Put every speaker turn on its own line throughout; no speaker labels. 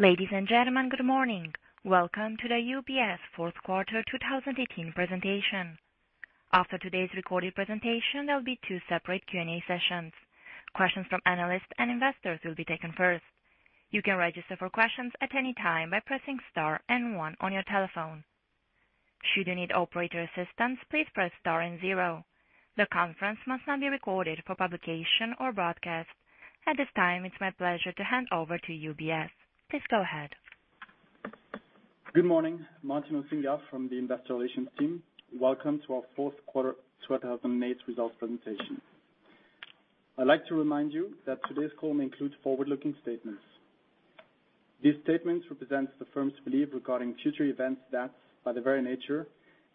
Ladies and gentlemen, good morning. Welcome to the UBS fourth quarter 2018 presentation. After today's recorded presentation, there'll be two separate Q&A sessions. Questions from analysts and investors will be taken first. You can register for questions at any time by pressing star and one on your telephone. Should you need operator assistance, please press star and zero. The conference must not be recorded for publication or broadcast. At this time, it's my pleasure to hand over to UBS. Please go ahead.
Good morning. Martin Osinga from the investor relations team. Welcome to our fourth quarter 2018 results presentation. I'd like to remind you that today's call may include forward-looking statements. These statements represent the firm's belief regarding future events that, by their very nature,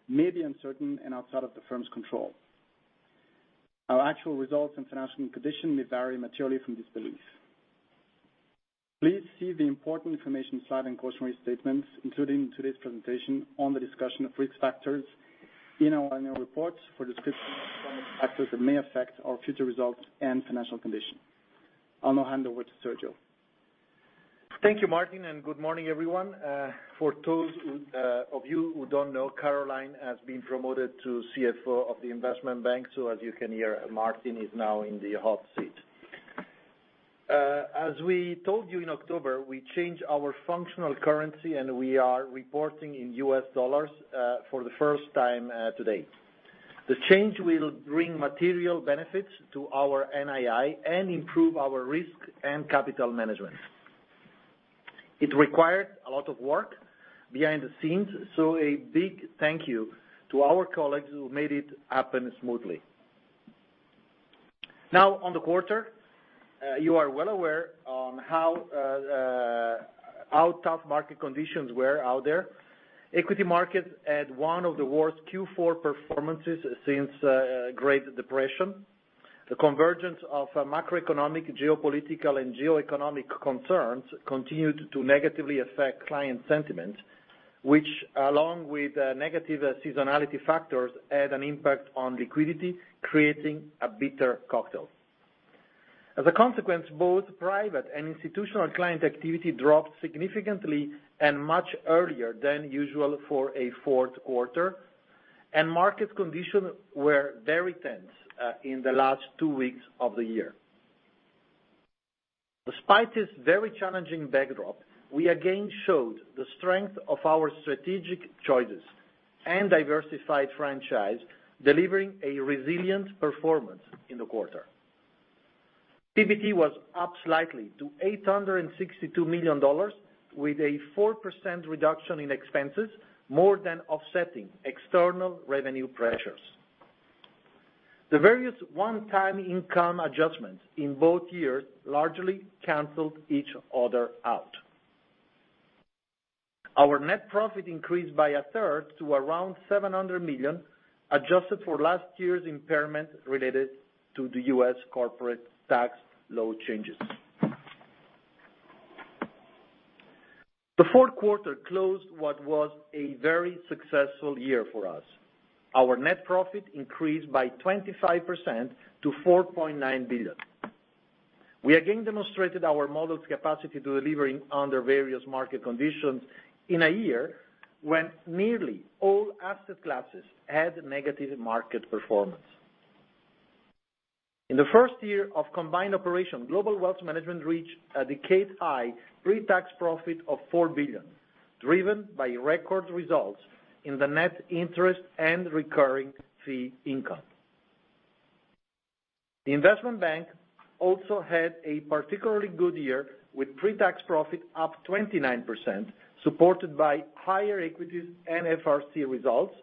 may be uncertain and outside of the firm's control. Our actual results and financial condition may vary materially from this belief. Please see the important information slide and cautionary statements included in today's presentation on the discussion of risk factors in our annual reports for description of factors that may affect our future results and financial condition. I'll now hand over to Sergio.
Thank you, Martin. Good morning, everyone. For those of you who don't know, Caroline has been promoted to CFO of the investment bank. As you can hear, Martin is now in the hot seat. We told you in October, we changed our functional currency, and we are reporting in U.S. dollars for the first time today. The change will bring material benefits to our NII and improve our risk and capital management. A big thank you to our colleagues who made it happen smoothly. On the quarter, you are well aware on how tough market conditions were out there. Equity markets had one of the worst Q4 performances since Great Depression. The convergence of macroeconomic, geopolitical, and geoeconomic concerns continued to negatively affect client sentiment, which, along with negative seasonality factors, had an impact on liquidity, creating a bitter cocktail. As a consequence, both private and institutional client activity dropped significantly and much earlier than usual for a fourth quarter. Market conditions were very tense in the last two weeks of the year. Despite this very challenging backdrop, we again showed the strength of our strategic choices and diversified franchise, delivering a resilient performance in the quarter. PBT was up slightly to $862 million, with a 4% reduction in expenses, more than offsetting external revenue pressures. The various one-time income adjustments in both years largely canceled each other out. Our net profit increased by a third to around $700 million, adjusted for last year's impairment related to the U.S. corporate tax law changes. The fourth quarter closed what was a very successful year for us. Our net profit increased by 25% to $4.9 billion. We again demonstrated our model's capacity to deliver under various market conditions in a year when nearly all asset classes had negative market performance. In the first year of combined operation, Global Wealth Management reached a decade-high pre-tax profit of $4 billion, driven by record results in the net interest and recurring fee income. The investment bank also had a particularly good year, with pre-tax profit up 29%, supported by higher equities and FRC results,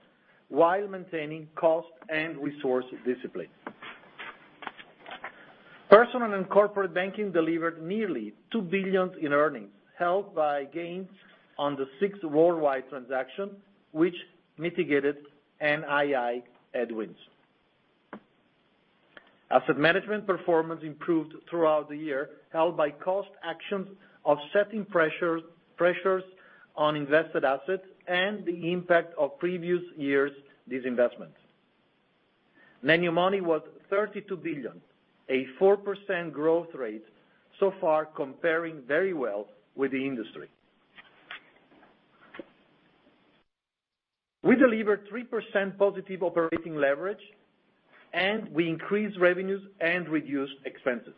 while maintaining cost and resource discipline. Personal and corporate banking delivered nearly $2 billion in earnings, helped by gains on the SIX Worldline transaction, which mitigated NII headwinds. Asset management performance improved throughout the year, helped by cost actions offsetting pressures on invested assets and the impact of previous years' disinvestment. New money was $32 billion, a 4% growth rate, so far comparing very well with the industry. We delivered 3% positive operating leverage. We increased revenues and reduced expenses.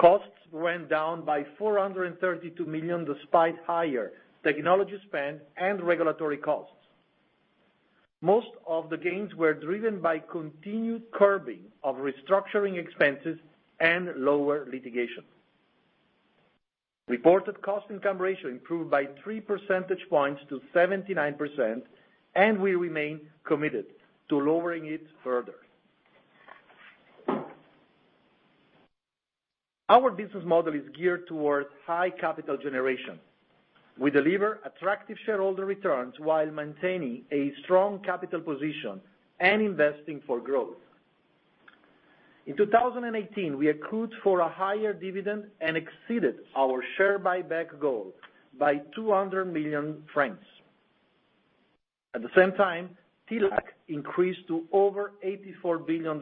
Costs went down by $432 million, despite higher technology spend and regulatory costs. Most of the gains were driven by continued curbing of restructuring expenses and lower litigation. Reported cost income ratio improved by three percentage points to 79%, and we remain committed to lowering it further. Our business model is geared towards high capital generation. We deliver attractive shareholder returns while maintaining a strong capital position and investing for growth. In 2018, we accrued for a higher dividend and exceeded our share buyback goal by 200 million francs. The same time, TLAC increased to over $84 billion,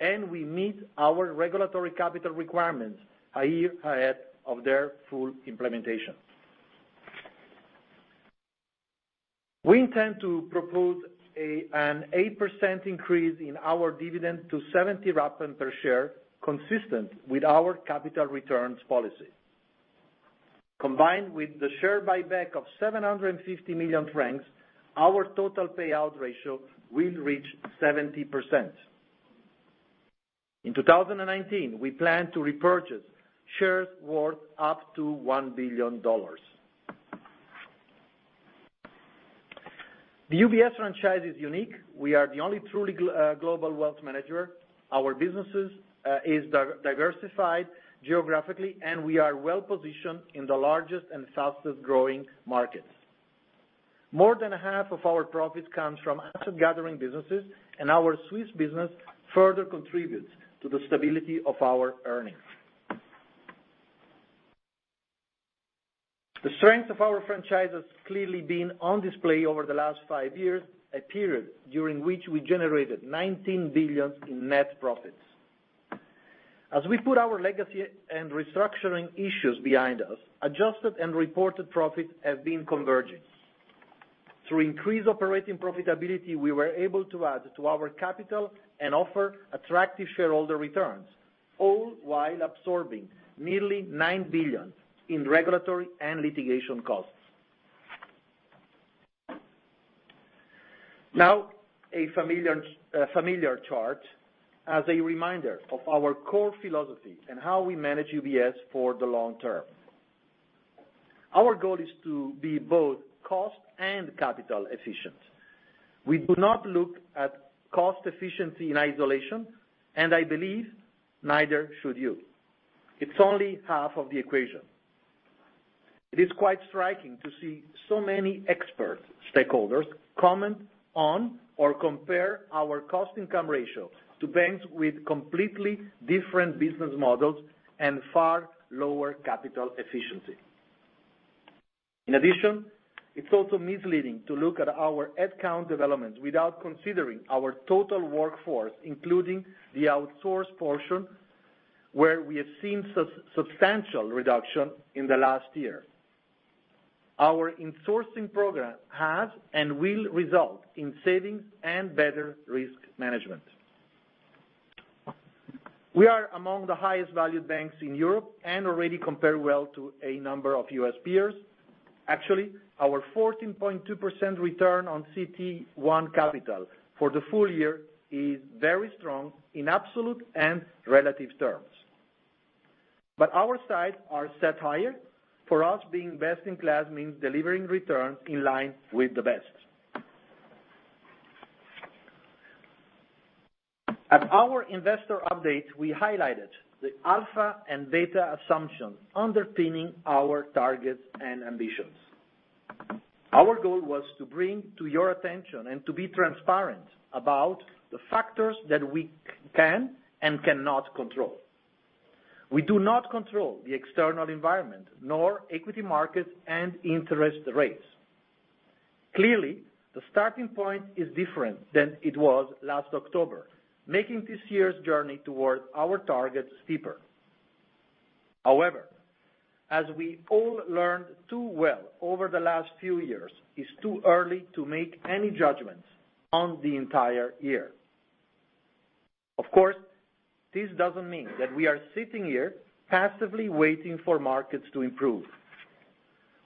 and we meet our regulatory capital requirements a year ahead of their full implementation. We intend to propose an 8% increase in our dividend to 70 rappen per share, consistent with our capital returns policy. Combined with the share buyback of 750 million francs, our total payout ratio will reach 70%. In 2019, we plan to repurchase shares worth up to $1 billion. The UBS franchise is unique. We are the only truly global wealth manager. Our business is diversified geographically, and we are well-positioned in the largest and fastest-growing markets. More than half of our profits comes from asset gathering businesses, and our Swiss business further contributes to the stability of our earnings. The strength of our franchise has clearly been on display over the last five years, a period during which we generated $19 billion in net profits. As we put our legacy and restructuring issues behind us, adjusted and reported profits have been converging. Through increased operating profitability, we were able to add to our capital and offer attractive shareholder returns, all while absorbing nearly $9 billion in regulatory and litigation costs. A familiar chart as a reminder of our core philosophy and how we manage UBS for the long term. Our goal is to be both cost and capital efficient. We do not look at cost efficiency in isolation. I believe neither should you. It's only half of the equation. It is quite striking to see so many expert stakeholders comment on or compare our cost-income ratio to banks with completely different business models and far lower capital efficiency. It's also misleading to look at our head count development without considering our total workforce, including the outsourced portion, where we have seen substantial reduction in the last year. Our insourcing program has and will result in savings and better risk management. We are among the highest valued banks in Europe and already compare well to a number of U.S. peers. Actually, our 14.2% return on CET1 capital for the full year is very strong in absolute and relative terms. Our sights are set higher. For us, being best-in-class means delivering returns in line with the best. At our investor update, we highlighted the alpha and beta assumptions underpinning our targets and ambitions. Our goal was to bring to your attention and to be transparent about the factors that we can and cannot control. We do not control the external environment, nor equity markets and interest rates. Clearly, the starting point is different than it was last October, making this year's journey towards our targets steeper. As we all learned too well over the last few years, it's too early to make any judgments on the entire year. Of course, this doesn't mean that we are sitting here passively waiting for markets to improve.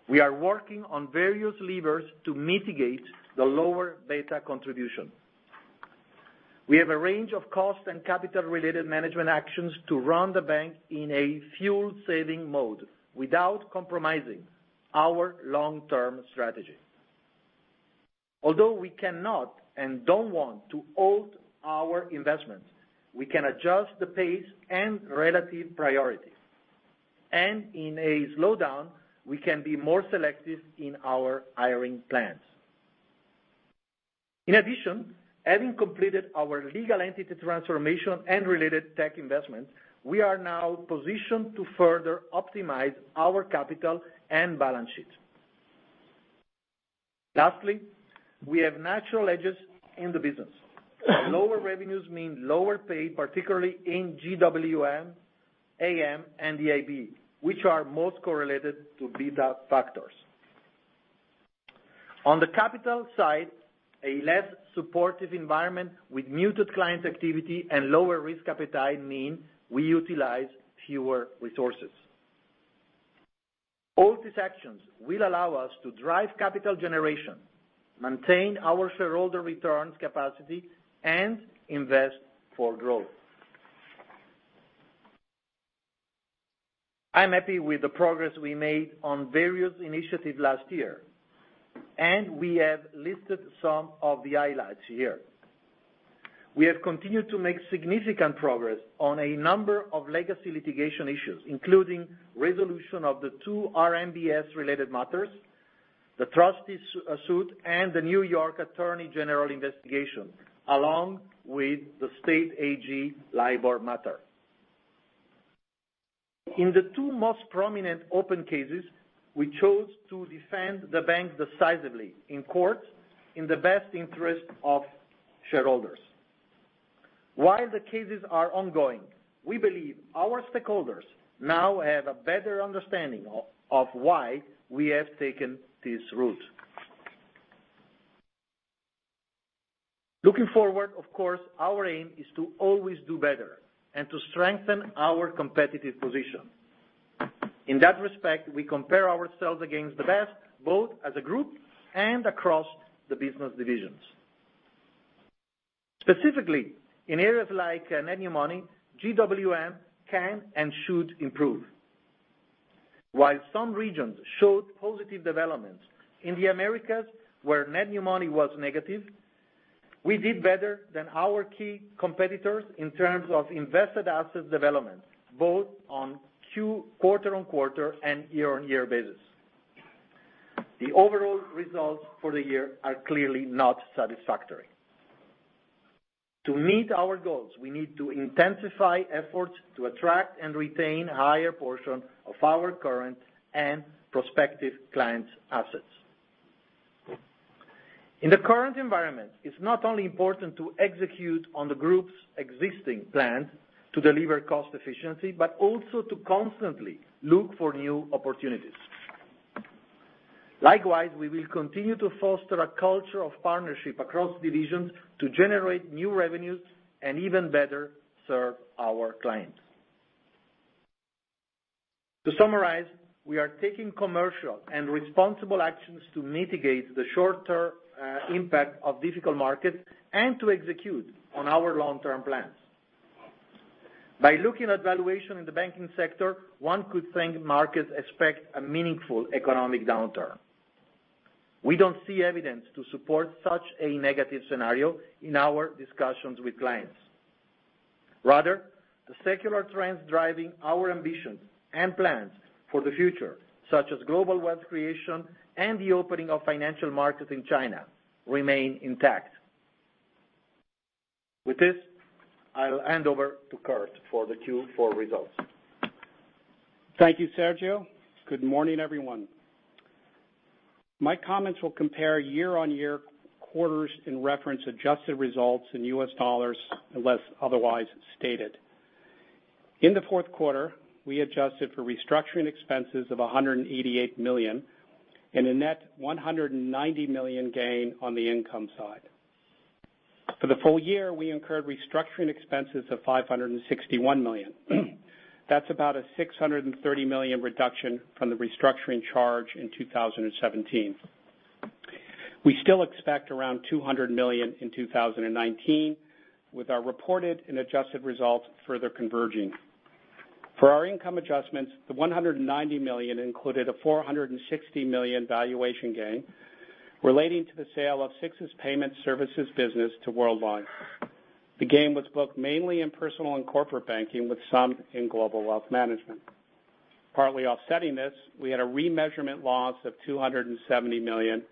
We are working on various levers to mitigate the lower beta contribution. We have a range of cost and capital-related management actions to run the bank in a fuel-saving mode without compromising our long-term strategy. We cannot and don't want to halt our investments, we can adjust the pace and relative priority. In a slowdown, we can be more selective in our hiring plans. In addition, having completed our legal entity transformation and related tech investments, we are now positioned to further optimize our capital and balance sheet. Lastly, we have natural edges in the business. Lower revenues mean lower pay, particularly in GWM, AM, and the IBD, which are most correlated to beta factors. On the capital side, a less supportive environment with muted client activity and lower-risk appetite mean we utilize fewer resources. All these actions will allow us to drive capital generation, maintain our shareholder returns capacity, and invest for growth. I'm happy with the progress we made on various initiatives last year, and we have listed some of the highlights here. We have continued to make significant progress on a number of legacy litigation issues, including resolution of the two RMBS-related matters, the Trustees suit, and the New York Attorney General investigation, along with the State AG LIBOR matter. In the two most prominent open cases, we chose to defend the bank decisively in court in the best interest of shareholders. While the cases are ongoing, we believe our stakeholders now have a better understanding of why we have taken this route. Looking forward, of course, our aim is to always do better and to strengthen our competitive position. In that respect, we compare ourselves against the best, both as a group and across the business divisions. Specifically, in areas like net new money, GWM can and should improve. While some regions showed positive developments, in the Americas, where net new money was negative, we did better than our key competitors in terms of invested assets development, both on quarter-on-quarter and year-on-year basis. The overall results for the year are clearly not satisfactory. To meet our goals, we need to intensify efforts to attract and retain a higher portion of our current and prospective clients' assets. In the current environment, it's not only important to execute on the Group's existing plan to deliver cost efficiency, but also to constantly look for new opportunities. Likewise, we will continue to foster a culture of partnership across divisions to generate new revenues and even better serve our clients. To summarize, we are taking commercial and responsible actions to mitigate the short-term impact of difficult markets and to execute on our long-term plans. By looking at valuation in the banking sector, one could think markets expect a meaningful economic downturn. We don't see evidence to support such a negative scenario in our discussions with clients. Rather, the secular trends driving our ambitions and plans for the future, such as global wealth creation and the opening of financial markets in China, remain intact. With this, I'll hand over to Kirt for the Q4 results.
Thank you, Sergio. Good morning, everyone. My comments will compare year-on-year quarters in reference adjusted results in US dollars, unless otherwise stated. In the fourth quarter, we adjusted for restructuring expenses of $188 million and a net $190 million gain on the income side. For the full year, we incurred restructuring expenses of $561 million. That's about a $630 million reduction from the restructuring charge in 2017. We still expect around $200 million in 2019, with our reported and adjusted results further converging. For our income adjustments, the $190 million included a $460 million valuation gain relating to the sale of SIX's payment services business to Worldline. The gain was booked mainly in personal and corporate banking, with some in Global Wealth Management. Partly offsetting this, we had a remeasurement loss of 270 million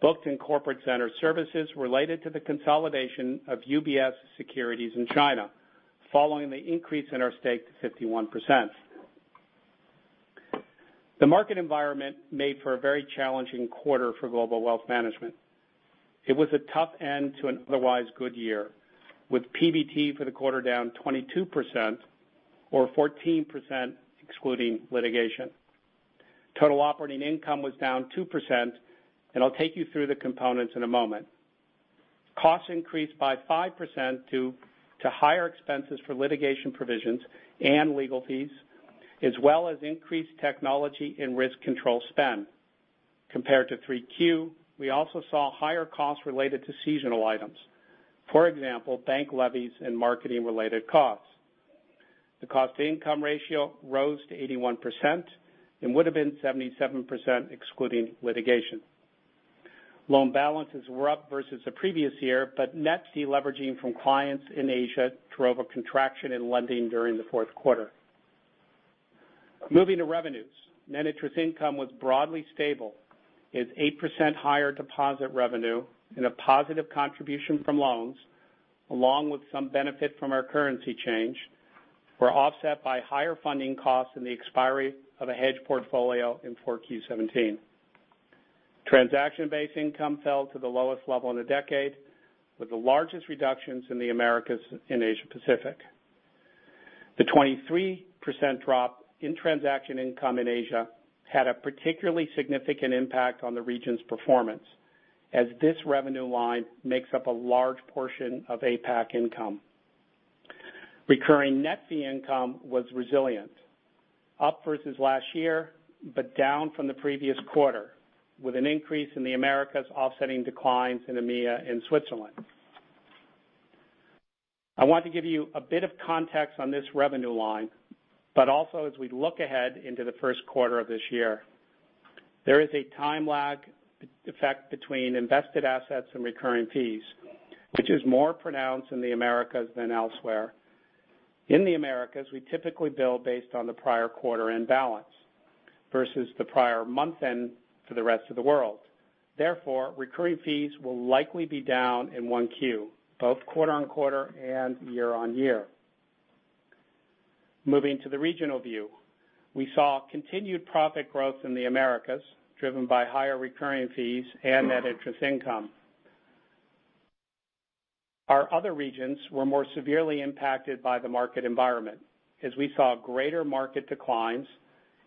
booked in Corporate Center related to the consolidation of UBS Securities Co. Limited in China, following the increase in our stake to 51%. The market environment made for a very challenging quarter for Global Wealth Management. It was a tough end to an otherwise good year, with PBT for the quarter down 22% or 14% excluding litigation. Total operating income was down 2%, and I'll take you through the components in a moment. Costs increased by 5% due to higher expenses for litigation provisions and legal fees, as well as increased technology and risk control spend. Compared to 3Q, we also saw higher costs related to seasonal items. For example, bank levies and marketing-related costs. The cost-to-income ratio rose to 81% and would have been 77%, excluding litigation. Loan balances were up versus the previous year. Net deleveraging from clients in Asia drove a contraction in lending during the fourth quarter. Moving to revenues. Net interest income was broadly stable as 8% higher deposit revenue and a positive contribution from loans, along with some benefit from our currency change, were offset by higher funding costs and the expiry of a hedge portfolio in 4Q 2017. Transaction-based income fell to the lowest level in a decade, with the largest reductions in the Americas and Asia Pacific. The 23% drop in transaction income in Asia had a particularly significant impact on the region's performance, as this revenue line makes up a large portion of APAC income. Recurring net fee income was resilient, up versus last year, but down from the previous quarter, with an increase in the Americas offsetting declines in EMEA and Switzerland. I want to give you a bit of context on this revenue line, but also as we look ahead into the first quarter of this year. There is a time lag effect between invested assets and recurring fees, which is more pronounced in the Americas than elsewhere. In the Americas, we typically bill based on the prior quarter end balance. Versus the prior month end for the rest of the world. Therefore, recurring fees will likely be down in 1Q, both quarter-on-quarter and year-on-year. Moving to the regional view. We saw continued profit growth in the Americas, driven by higher recurring fees and net interest income. Our other regions were more severely impacted by the market environment, as we saw greater market declines,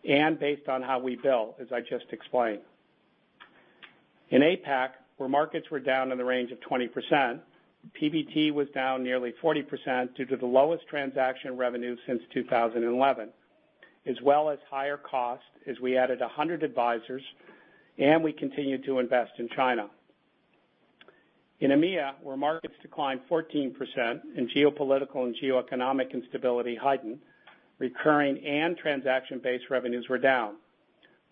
and based on how we bill, as I just explained. In APAC, where markets were down in the range of 20%, PBT was down nearly 40% due to the lowest transaction revenue since 2011, as well as higher costs as we added 100 advisors, and we continued to invest in China. In EMEA, where markets declined 14% and geopolitical and geoeconomic instability heightened, recurring and transaction-based revenues were down.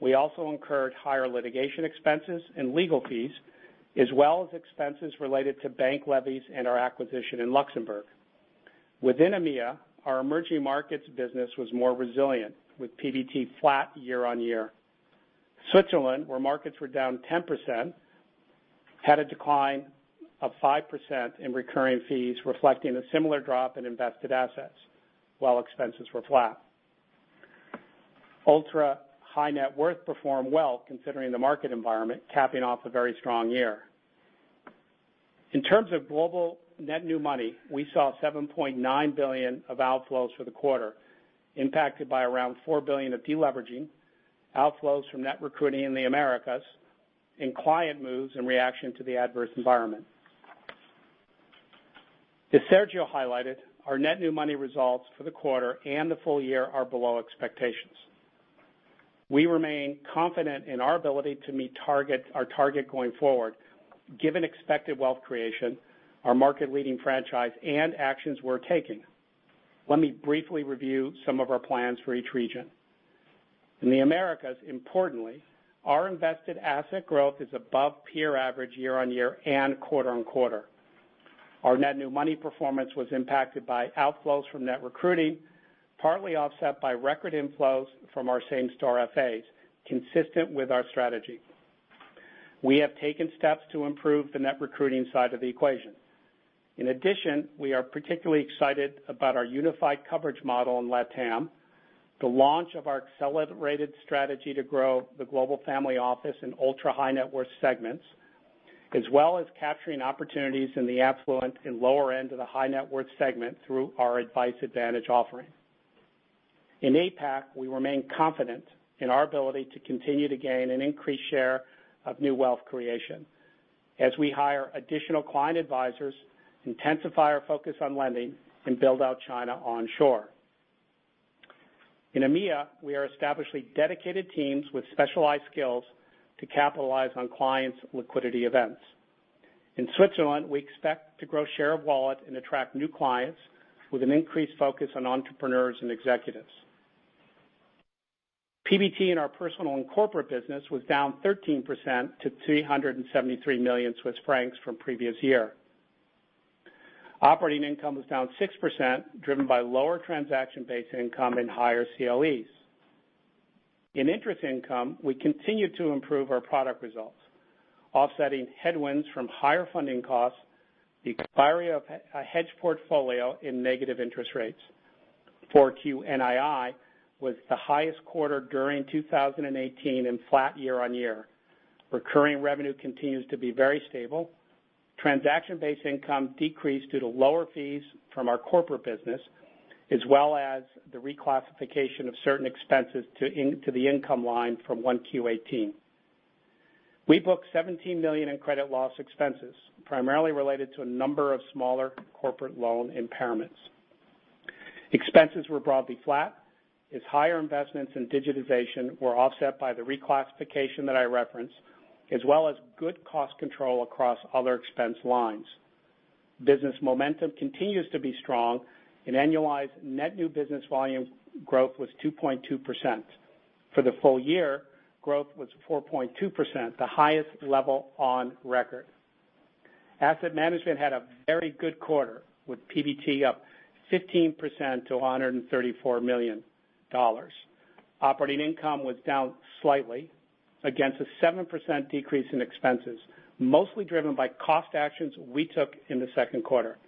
We also incurred higher litigation expenses and legal fees, as well as expenses related to bank levies and our acquisition in Luxembourg. Within EMEA, our emerging markets business was more resilient, with PBT flat year-on-year. Switzerland, where markets were down 10%, had a decline of 5% in recurring fees, reflecting a similar drop in invested assets while expenses were flat. Ultra high net worth performed well considering the market environment, capping off a very strong year. In terms of global net new money, we saw 7.9 billion of outflows for the quarter, impacted by around 4 billion of deleveraging, outflows from net recruiting in the Americas, and client moves in reaction to the adverse environment. As Sergio highlighted, our net new money results for the quarter and the full year are below expectations. We remain confident in our ability to meet our target going forward, given expected wealth creation, our market-leading franchise, and actions we're taking. Let me briefly review some of our plans for each region. In the Americas, importantly, our invested asset growth is above peer average year-on-year and quarter-on-quarter. Our net new money performance was impacted by outflows from net recruiting, partly offset by record inflows from our same-store FAs, consistent with our strategy. We have taken steps to improve the net recruiting side of the equation. In addition, we are particularly excited about our unified coverage model in LATAM, the launch of our accelerated strategy to grow the global family office and Ultra high net worth segments, as well as capturing opportunities in the affluent and lower end of the high net worth segment through our Advice Advantage offering. In APAC, we remain confident in our ability to continue to gain an increased share of new wealth creation as we hire additional client advisors, intensify our focus on lending, and build out China onshore. In EMEA, we are establishing dedicated teams with specialized skills to capitalize on clients' liquidity events. In Switzerland, we expect to grow share of wallet and attract new clients with an increased focus on entrepreneurs and executives. PBT in our personal and corporate business was down 13% to 373 million Swiss francs from previous year. Operating income was down 6%, driven by lower transaction-based income and higher CLEs. In interest income, we continue to improve our product results, offsetting headwinds from higher funding costs, the expiry of a hedge portfolio in negative interest rates. 4Q NII was the highest quarter during 2018 and flat year-on-year. Recurring revenue continues to be very stable. Transaction-based income decreased due to lower fees from our corporate business, as well as the reclassification of certain expenses to the income line from 1Q18. We booked $17 million in credit loss expenses, primarily related to a number of smaller corporate loan impairments. Expenses were broadly flat as higher investments in digitization were offset by the reclassification that I referenced, as well as good cost control across other expense lines. Business momentum continues to be strong, and annualized net new business volume growth was 2.2%. For the full year, growth was 4.2%, the highest level on record. Asset management had a very good quarter, with PBT up 15% to $134 million. Operating income was down slightly against a 7% decrease in expenses, mostly driven by cost actions we took in the second quarter.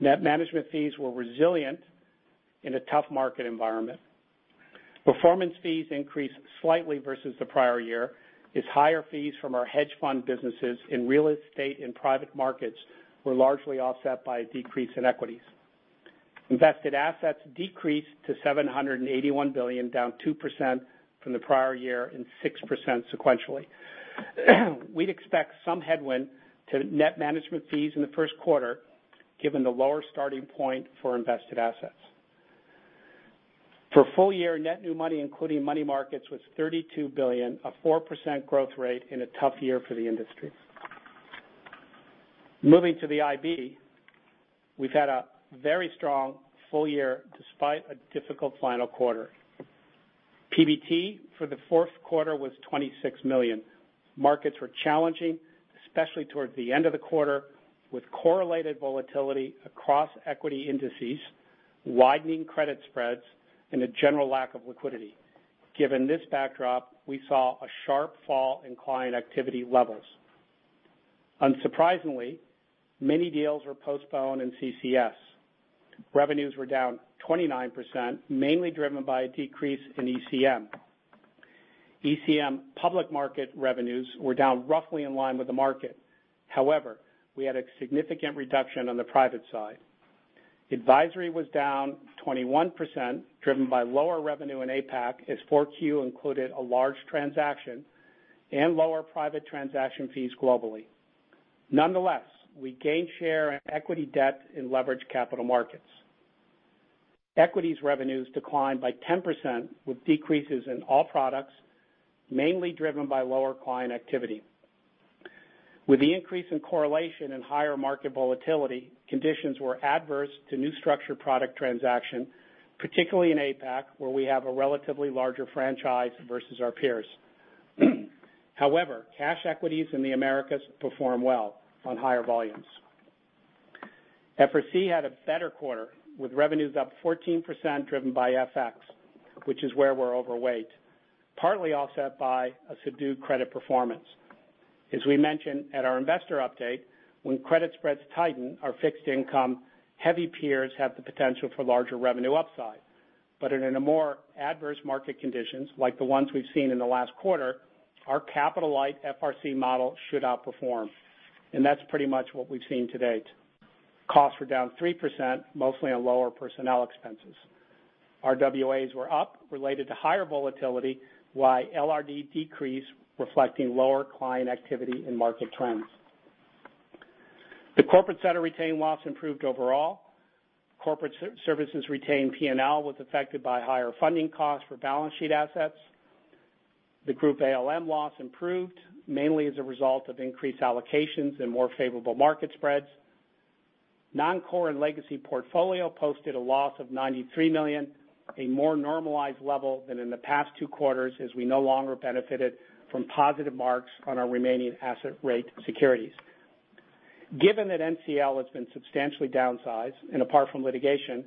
Net management fees were resilient in a tough market environment. Performance fees increased slightly versus the prior year as higher fees from our hedge fund businesses in real estate and private markets were largely offset by a decrease in equities. Invested assets decreased to $781 billion, down 2% from the prior year and 6% sequentially. We'd expect some headwind to net management fees in the first quarter, given the lower starting point for invested assets. For full-year net new money, including money markets, was $32 billion, a 4% growth rate in a tough year for the industry. Moving to the IB, we've had a very strong full year despite a difficult final quarter. PBT for the fourth quarter was $26 million. Markets were challenging, and especially towards the end of the quarter, with correlated volatility across equity indices, widening credit spreads, and a general lack of liquidity. Given this backdrop, we saw a sharp fall in client activity levels. Unsurprisingly, many deals were postponed in CCS. Revenues were down 29%, mainly driven by a decrease in ECM. ECM public market revenues were down roughly in line with the market. However, we had a significant reduction on the private side. Advisory was down 21%, driven by lower revenue in APAC, as four Q included a large transaction and lower private transaction fees globally. We gained share in equity debt in leveraged capital markets. Equities revenues declined by 10%, with decreases in all products, mainly driven by lower client activity. With the increase in correlation and higher market volatility, conditions were adverse to new structure product transaction, particularly in APAC, where we have a relatively larger franchise versus our peers. However, cash equities in the Americas performed well on higher volumes. FRC had a better quarter, with revenues up 14% driven by FX, which is where we're overweight, partly offset by a subdued credit performance. As we mentioned at our investor update, when credit spreads tighten, our fixed-income-heavy peers have the potential for larger revenue upside. In a more adverse market conditions, like the ones we've seen in the last quarter, our capital-light FRC model should outperform, and that's pretty much what we've seen to date. Costs were down 3%, mostly on lower personnel expenses. Our RWAs were up, related to higher volatility, while LRD decreased, reflecting lower client activity and market trends. The Corporate Center retained loss improved overall. Corporate services retained P&L was affected by higher funding costs for balance sheet assets. The group ALM loss improved mainly as a result of increased allocations and more favorable market spreads. Non-core and legacy portfolio posted a loss of $93 million, a more normalized level than in the past two quarters, as we no longer benefited from positive marks on our remaining asset-backed securities. Given that NCL has been substantially downsized and apart from litigation,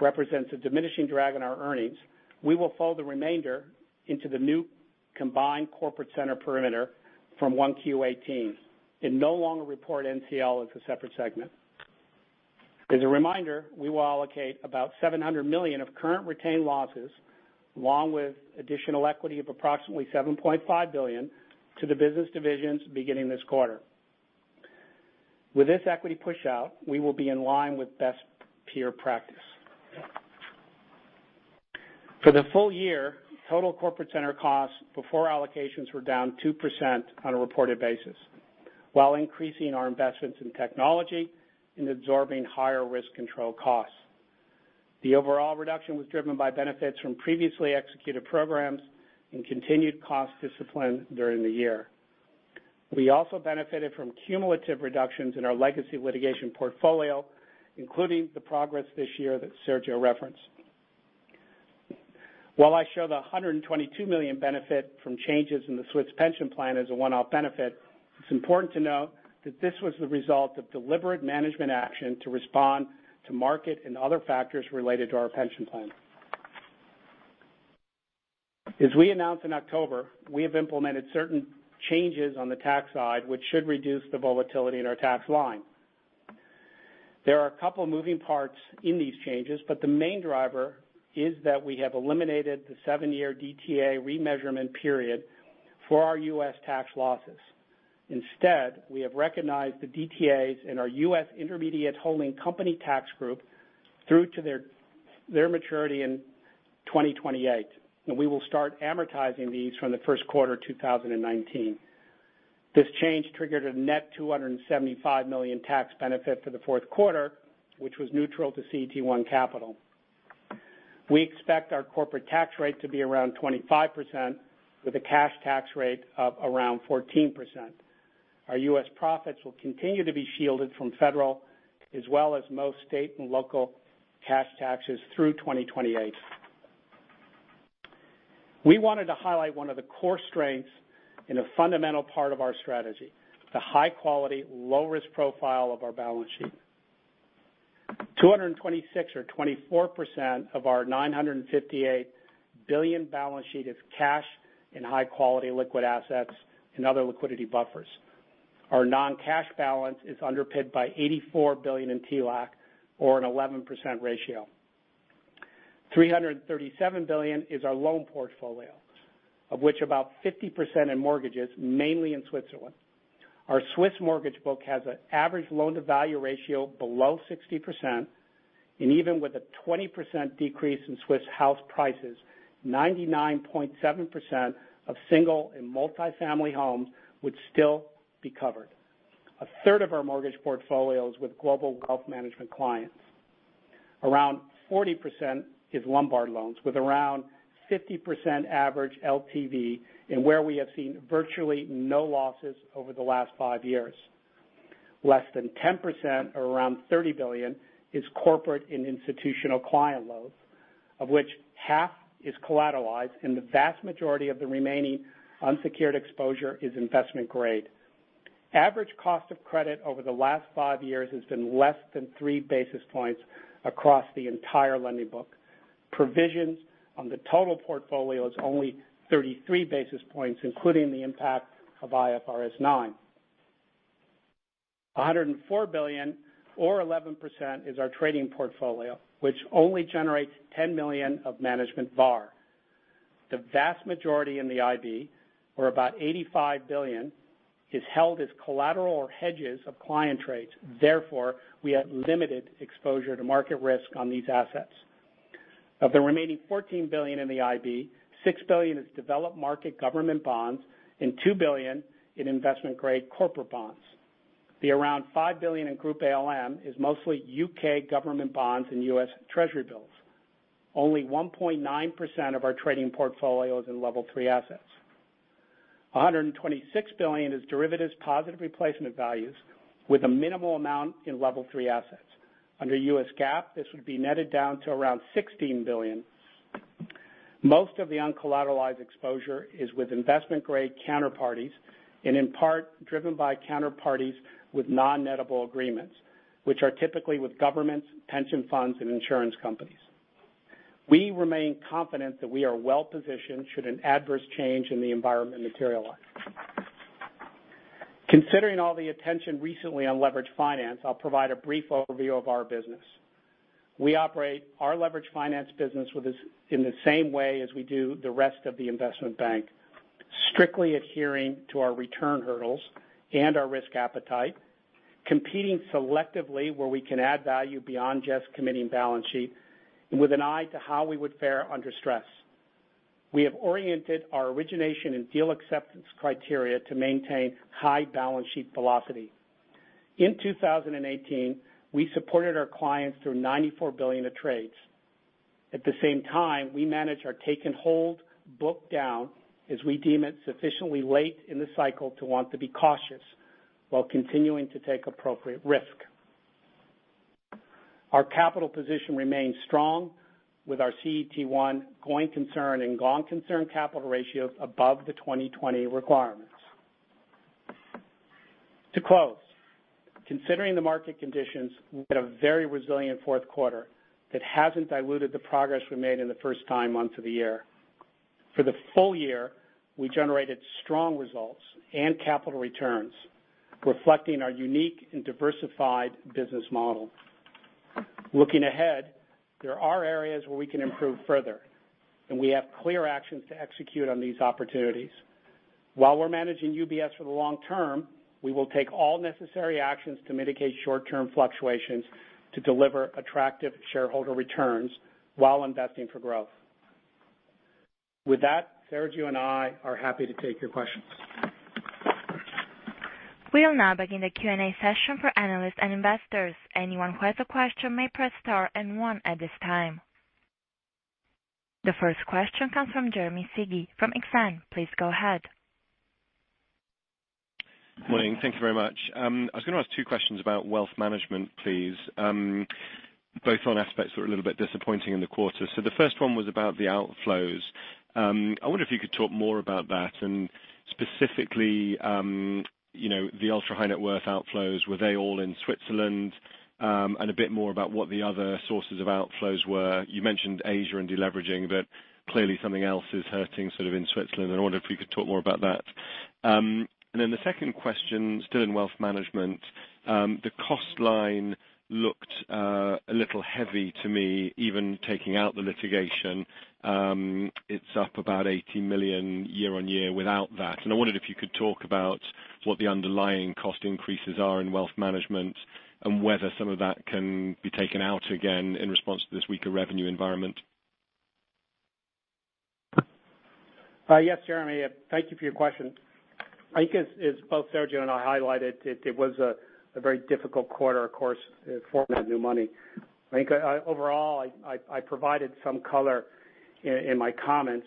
represents a diminishing drag on our earnings, we will fold the remainder into the new combined Corporate Center perimeter from 1Q18 and no longer report NCL as a separate segment. As a reminder, we will allocate about $700 million of current retained losses, along with additional equity of approximately $7.5 billion to the business divisions beginning this quarter. With this equity push-out, we will be in line with best peer practice. For the full year, total Corporate Center costs before allocations were down 2% on a reported basis, while increasing our investments in technology and absorbing higher risk control costs. The overall reduction was driven by benefits from previously executed programs and continued cost discipline during the year. We also benefited from cumulative reductions in our legacy litigation portfolio, including the progress this year that Sergio referenced. While I show the $122 million benefit from changes in the Swiss pension plan as a one-off benefit, it is important to note that this was the result of deliberate management action to respond to market and other factors related to our pension plan. As we announced in October, we have implemented certain changes on the tax side, which should reduce the volatility in our tax line. There are a couple of moving parts in these changes, but the main driver is that we have eliminated the seven-year DTA remeasurement period for our U.S. tax losses. Instead, we have recognized the DTAs in our U.S. intermediate holding company tax group through to their maturity in 2028, and we will start amortizing these from the first quarter 2019. This change triggered a net $275 million tax benefit for the fourth quarter, which was neutral to CET1 capital. We expect our corporate tax rate to be around 25% with a cash tax rate of around 14%. Our U.S. profits will continue to be shielded from Federal as well as most state and local cash taxes through 2028. We wanted to highlight one of the core strengths in a fundamental part of our strategy, the high quality, low risk profile of our balance sheet. $226 billion or 24% of our $958 billion balance sheet is cash and high-quality liquid assets and other liquidity buffers. Our non-cash balance is underpinned by $84 billion in TLAC or an 11% ratio. $337 billion is our loan portfolio, of which about 50% in mortgages, mainly in Switzerland. Our Swiss mortgage book has an average loan-to-value ratio below 60%, and even with a 20% decrease in Swiss house prices, 99.7% of single and multi-family homes would still be covered. A third of our mortgage portfolio is with Global Wealth Management clients. 40% is Lombard loans with 50% average LTV, and where we have seen virtually no losses over the last five years. Less than 10%, or around 30 billion, is corporate and institutional client loans, of which half is collateralized, and the vast majority of the remaining unsecured exposure is investment grade. Average cost of credit over the last five years has been less than 3 basis points across the entire lending book. Provisions on the total portfolio is only 33 basis points, including the impact of IFRS 9. 104 billion, or 11%, is our trading portfolio, which only generates 10 million of management VaR. The vast majority in the IB, or about 85 billion, is held as collateral or hedges of client trades. Therefore, we have limited exposure to market risk on these assets. Of the remaining CHF 14 billion in the IB, CHF 6 billion is developed market government bonds and CHF 2 billion in investment-grade corporate bonds. The around CHF 5 billion in group ALM is mostly U.K. government bonds and U.S. Treasury bills. Only 1.9% of our trading portfolio is in Level 3 assets. 126 billion is derivatives positive replacement values with a minimal amount in Level 3 assets. Under US GAAP, this would be netted down to around 16 billion. Most of the uncollateralized exposure is with investment-grade counterparties, and in part driven by counterparties with non-nettable agreements, which are typically with governments, pension funds, and insurance companies. We remain confident that we are well-positioned should an adverse change in the environment materialize. Considering all the attention recently on leveraged finance, I'll provide a brief overview of our business. We operate our leveraged finance business in the same way as we do the rest of the Investment Bank. Strictly adhering to our return hurdles and our risk appetite, competing selectively where we can add value beyond just committing balance sheet, and with an eye to how we would fare under stress. We have oriented our origination and deal acceptance criteria to maintain high balance sheet velocity. In 2018, we supported our clients through 94 billion of trades. At the same time, we manage our take and hold book down, as we deem it sufficiently late in the cycle to want to be cautious while continuing to take appropriate risk. Our capital position remains strong with our CET1 going concern and gone concern capital ratios above the 2020 requirements. To close, considering the market conditions, we had a very resilient fourth quarter that hasn't diluted the progress we made in the first nine months of the year. For the full year, we generated strong results and capital returns, reflecting our unique and diversified business model. Looking ahead, there are areas where we can improve further, and we have clear actions to execute on these opportunities. While we're managing UBS for the long term, we will take all necessary actions to mitigate short-term fluctuations to deliver attractive shareholder returns while investing for growth. With that, Sergio and I are happy to take your questions.
We will now begin the Q&A session for analysts and investors. Anyone who has a question may press star and one at this time. The first question comes from Jeremy Sigee from Exane. Please go ahead.
Morning. Thank you very much. I was going to ask two questions about Wealth Management, please. Both on aspects that were a little bit disappointing in the quarter. The first one was about the outflows. I wonder if you could talk more about that, and specifically, the ultra-high-net-worth outflows. Were they all in Switzerland? A bit more about what the other sources of outflows were. You mentioned Asia and de-leveraging, clearly, something else is hurting sort of in Switzerland, and I wonder if you could talk more about that. The second question, still in Wealth Management. The cost line looked a little heavy to me, even taking out the litigation. It's up about 18 million year-on-year without that. I wondered if you could talk about what the underlying cost increases are in Wealth Management and whether some of that can be taken out again in response to this weaker revenue environment.
Yes, Jeremy. Thank you for your question. I think as both Sergio and I highlighted, it was a very difficult quarter, of course, for new money. I think overall, I provided some color in my comments.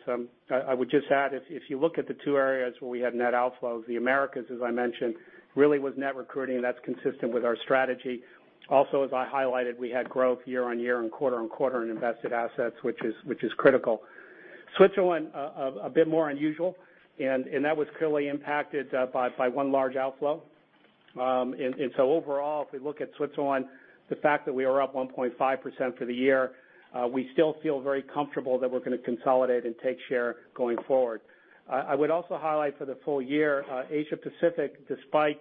I would just add, if you look at the two areas where we had net outflows, the Americas, as I mentioned, really was net recruiting. That's consistent with our strategy. Also, as I highlighted, we had growth year-on-year and quarter-on-quarter in invested assets, which is critical. Switzerland, a bit more unusual, and that was clearly impacted by one large outflow. Overall, if we look at Switzerland, the fact that we are up 1.5% for the year, we still feel very comfortable that we're going to consolidate and take share going forward. I would also highlight for the full year, Asia-Pacific, despite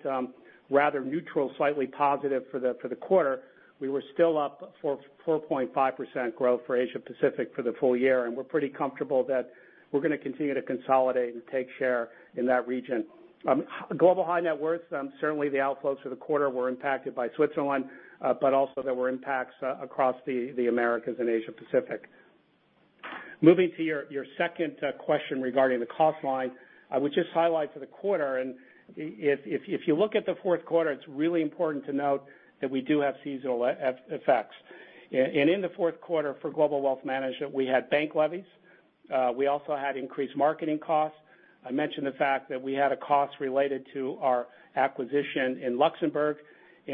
rather neutral, slightly positive for the quarter, we're still up 4.5% growth for Asia-Pacific for the full year, and we're pretty comfortable that we're going to continue to consolidate and take share in that region. Global high net worth, certainly the outflows for the quarter were impacted by Switzerland, but also there were impacts across the Americas and Asia-Pacific. Moving to your second question regarding the cost line. I would just highlight for the quarter, and if you look at the fourth quarter, it's really important to note that we do have seasonal effects. In the fourth quarter for Global Wealth Management, we had bank levies. We also had increased marketing costs. I mentioned the fact that we had a cost related to our acquisition in Luxembourg.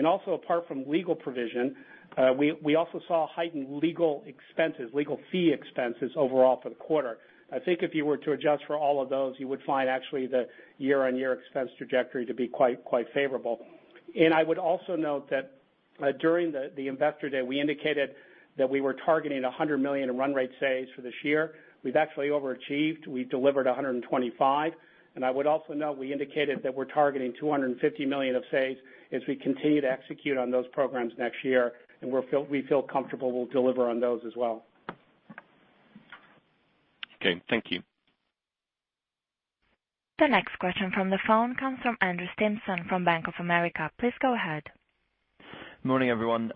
Also apart from legal provision, we also saw heightened legal expenses, legal fee expenses overall for the quarter. I think if you were to adjust for all of those, you would find actually the year-on-year expense trajectory to be quite favorable. I would also note that during the investor day, we indicated that we were targeting 100 million in run rate saves for this year. We've actually overachieved. We delivered 125 million. I would also note, we indicated that we're targeting 250 million of saves as we continue to execute on those programs next year, and we feel comfortable we'll deliver on those as well.
Okay. Thank you.
The next question from the phone comes from Andrew Stimpson from Bank of America. Please go ahead.
Morning, everyone.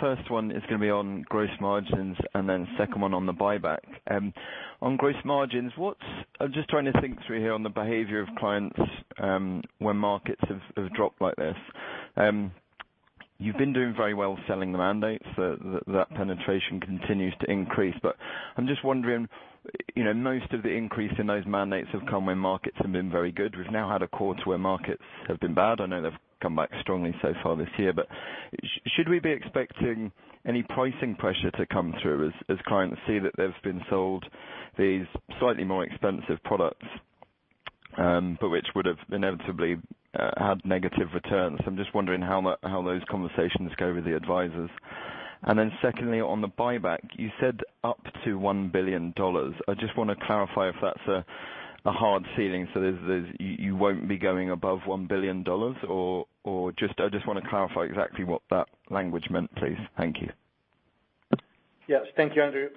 First one is going to be on gross margins. Second one on the buyback. On gross margins, I'm just trying to think through here on the behavior of clients when markets have dropped like this. You've been doing very well selling the mandates. That penetration continues to increase. I'm just wondering, most of the increase in those mandates have come when markets have been very good. We've now had a quarter where markets have been bad. I know they've come back strongly so far this year, should we be expecting any pricing pressure to come through as clients see that they've been sold these slightly more expensive products, which would have inevitably had negative returns? I'm just wondering how those conversations go with the advisors. Secondly, on the buyback, you said up to CHF 1 billion. I just want to clarify if that's a hard ceiling, so you won't be going above CHF 1 billion, or I just want to clarify exactly what that language meant, please. Thank you.
Yes. Thank you, Andrew.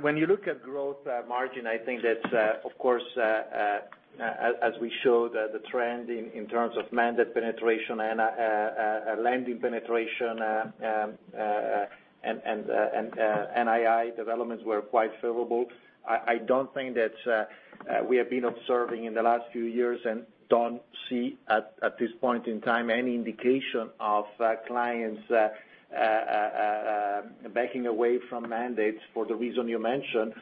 When you look at gross margin, I think that of course, as we showed, the trend in terms of mandate penetration and lending penetration, and NII developments were quite favorable. I don't think that we have been observing in the last few years and don't see at this point in time any indication of clients backing away from mandates for the reason you mentioned.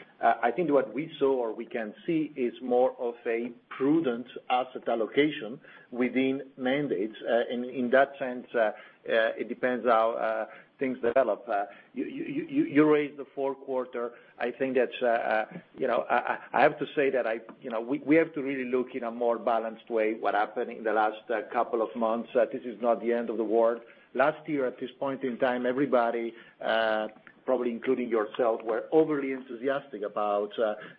I think what we saw or we can see is more of a prudent asset allocation within mandates. In that sense, it depends how things develop. You raised the fourth quarter. I have to say that we have to really look in a more balanced way what happened in the last couple of months. This is not the end of the world. Last year at this point in time, everybody, probably including yourself, were overly enthusiastic about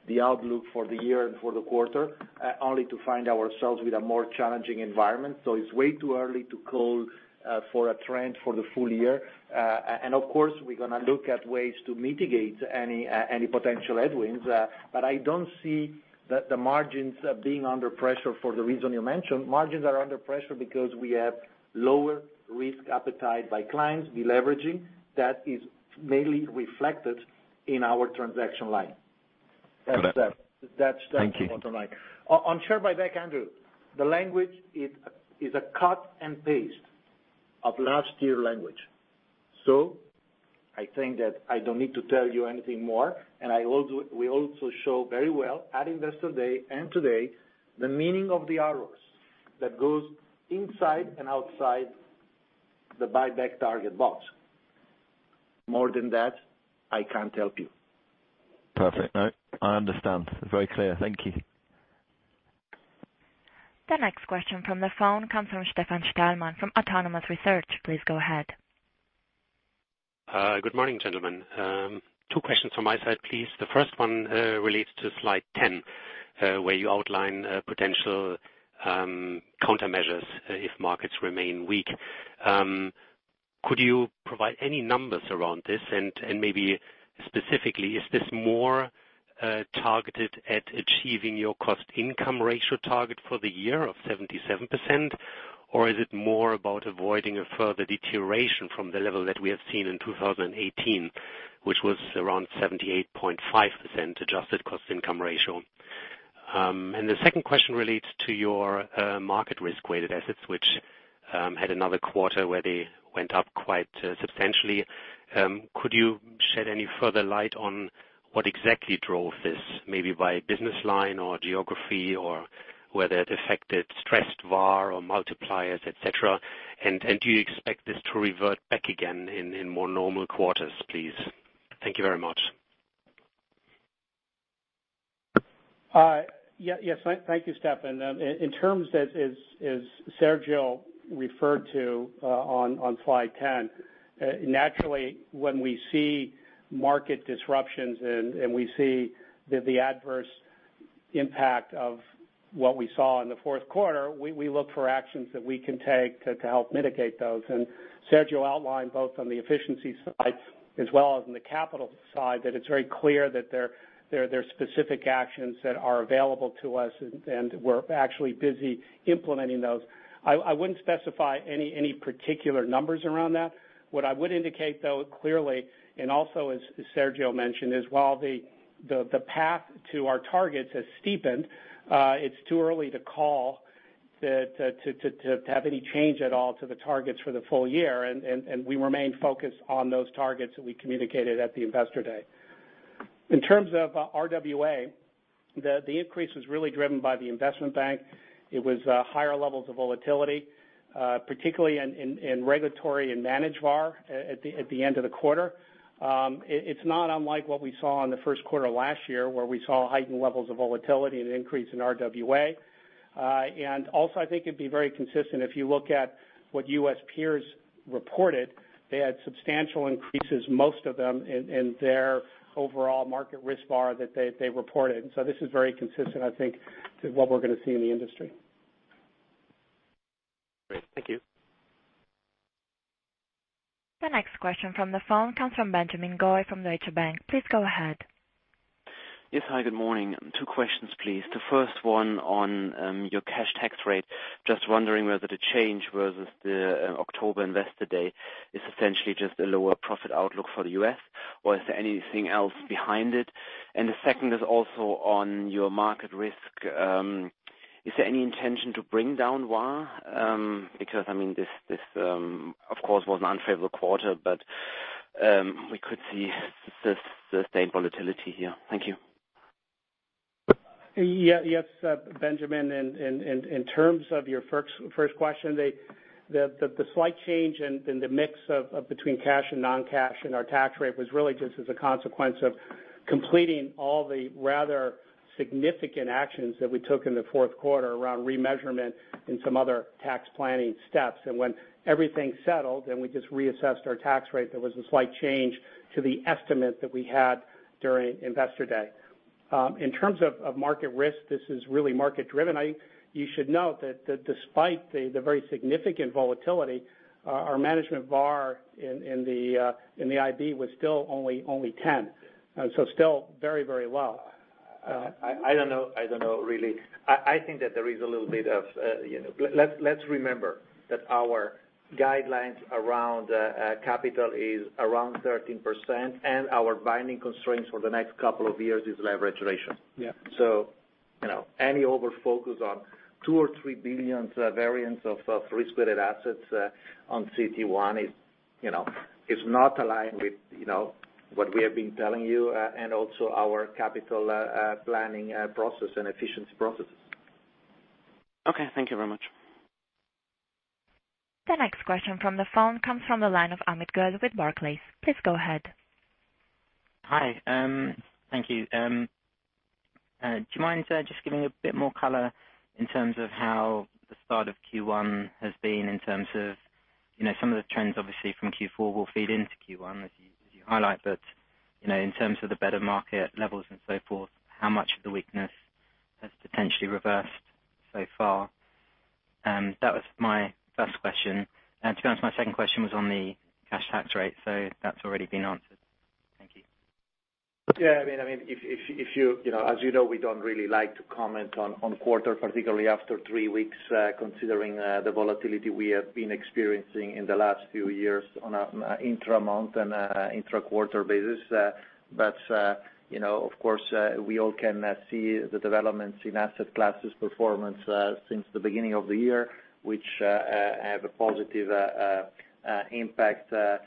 the outlook for the year and for the quarter, only to find ourselves with a more challenging environment. It's way too early to call for a trend for the full year. Of course, we're going to look at ways to mitigate any potential headwinds. I don't see the margins being under pressure for the reason you mentioned. Margins are under pressure because we have lower risk appetite by clients de-leveraging. That is mainly reflected in our transaction line.
Thank you.
On share buyback, Andrew, the language is a cut and paste of last year language. I think that I don't need to tell you anything more. We also show very well at Investor Day and today the meaning of the arrows that goes inside and outside the buyback target box. More than that, I can't help you.
Perfect. No, I understand. Very clear. Thank you.
The next question from the phone comes from Stefan Stalmann from Autonomous Research. Please go ahead.
Good morning, gentlemen. Two questions from my side, please. The first one relates to slide 10, where you outline potential countermeasures if markets remain weak. Could you provide any numbers around this? Maybe specifically, is this more targeted at achieving your cost income ratio target for the year of 77%? Or is it more about avoiding a further deterioration from the level that we have seen in 2018, which was around 78.5% adjusted cost income ratio? The second question relates to your market risk-weighted assets, which had another quarter where they went up quite substantially. Could you shed any further light on what exactly drove this, maybe by business line or geography, or whether it affected stressed VaR or multipliers, et cetera? Do you expect this to revert back again in more normal quarters, please? Thank you very much.
Yes. Thank you, Stefan. In terms as Sergio referred to on slide 10, naturally, when we see market disruptions and we see the adverse impact of what we saw in the fourth quarter, we look for actions that we can take to help mitigate those. Sergio outlined both on the efficiency side as well as on the capital side, that it's very clear that there are specific actions that are available to us, we're actually busy implementing those. I wouldn't specify any particular numbers around that. What I would indicate, though, clearly, and also as Sergio mentioned, is while the path to our targets has steepened, it's too early to call to have any change at all to the targets for the full year, we remain focused on those targets that we communicated at the investor day. In terms of RWA, the increase was really driven by the Investment Bank. It was higher levels of volatility, particularly in regulatory and manage VaR at the end of the quarter. It's not unlike what we saw in the first quarter last year, where we saw heightened levels of volatility and an increase in RWA. Also, I think it'd be very consistent if you look at what U.S. peers reported, they had substantial increases, most of them, in their overall market risk VaR that they reported. This is very consistent, I think, to what we're going to see in the industry.
Great. Thank you.
The next question from the phone comes from Benjamin Goy from Deutsche Bank. Please go ahead.
Yes. Hi, good morning. Two questions, please. The first one on your cash tax rate, just wondering whether the change versus the October investor day is essentially just a lower profit outlook for the U.S., or is there anything else behind it? The second is also on your market risk. Is there any intention to bring down VaR? Because this, of course, was an unfavorable quarter, but we could see sustained volatility here. Thank you.
Yes, Benjamin. In terms of your first question, the slight change in the mix between cash and non-cash in our tax rate was really just as a consequence of completing all the rather significant actions that we took in the fourth quarter around remeasurement and some other tax planning steps. When everything settled and we just reassessed our tax rate, there was a slight change to the estimate that we had during investor day. In terms of market risk, this is really market-driven. You should note that despite the very significant volatility, our management VaR in the IB was still only 10. Still very low.
I don't know, really. I think that there is a little bit of Let's remember that our guidelines around capital is around 13%, our binding constraints for the next couple of years is leverage ratio.
Yeah.
Any over-focus on 2 billion or 3 billion variants of risk-weighted assets on CET1 is not aligned with what we have been telling you, and also our capital planning process and efficiency processes.
Okay. Thank you very much.
The next question from the phone comes from the line of Amit Goel with Barclays. Please go ahead.
Hi. Thank you. Do you mind just giving a bit more color in terms of how the start of Q1 has been in terms of some of the trends, obviously, from Q4 will feed into Q1, as you highlight, but in terms of the better market levels and so forth, how much of the weakness has potentially reversed so far? That was my first question. To be honest, my second question was on the cash tax rate. That's already been answered. Thank you.
Yeah. As you know, we don't really like to comment on quarter, particularly after three weeks, considering the volatility we have been experiencing in the last few years on an intra-month and intra-quarter basis. Of course, we all can see the developments in asset classes performance since the beginning of the year, which have a positive impact to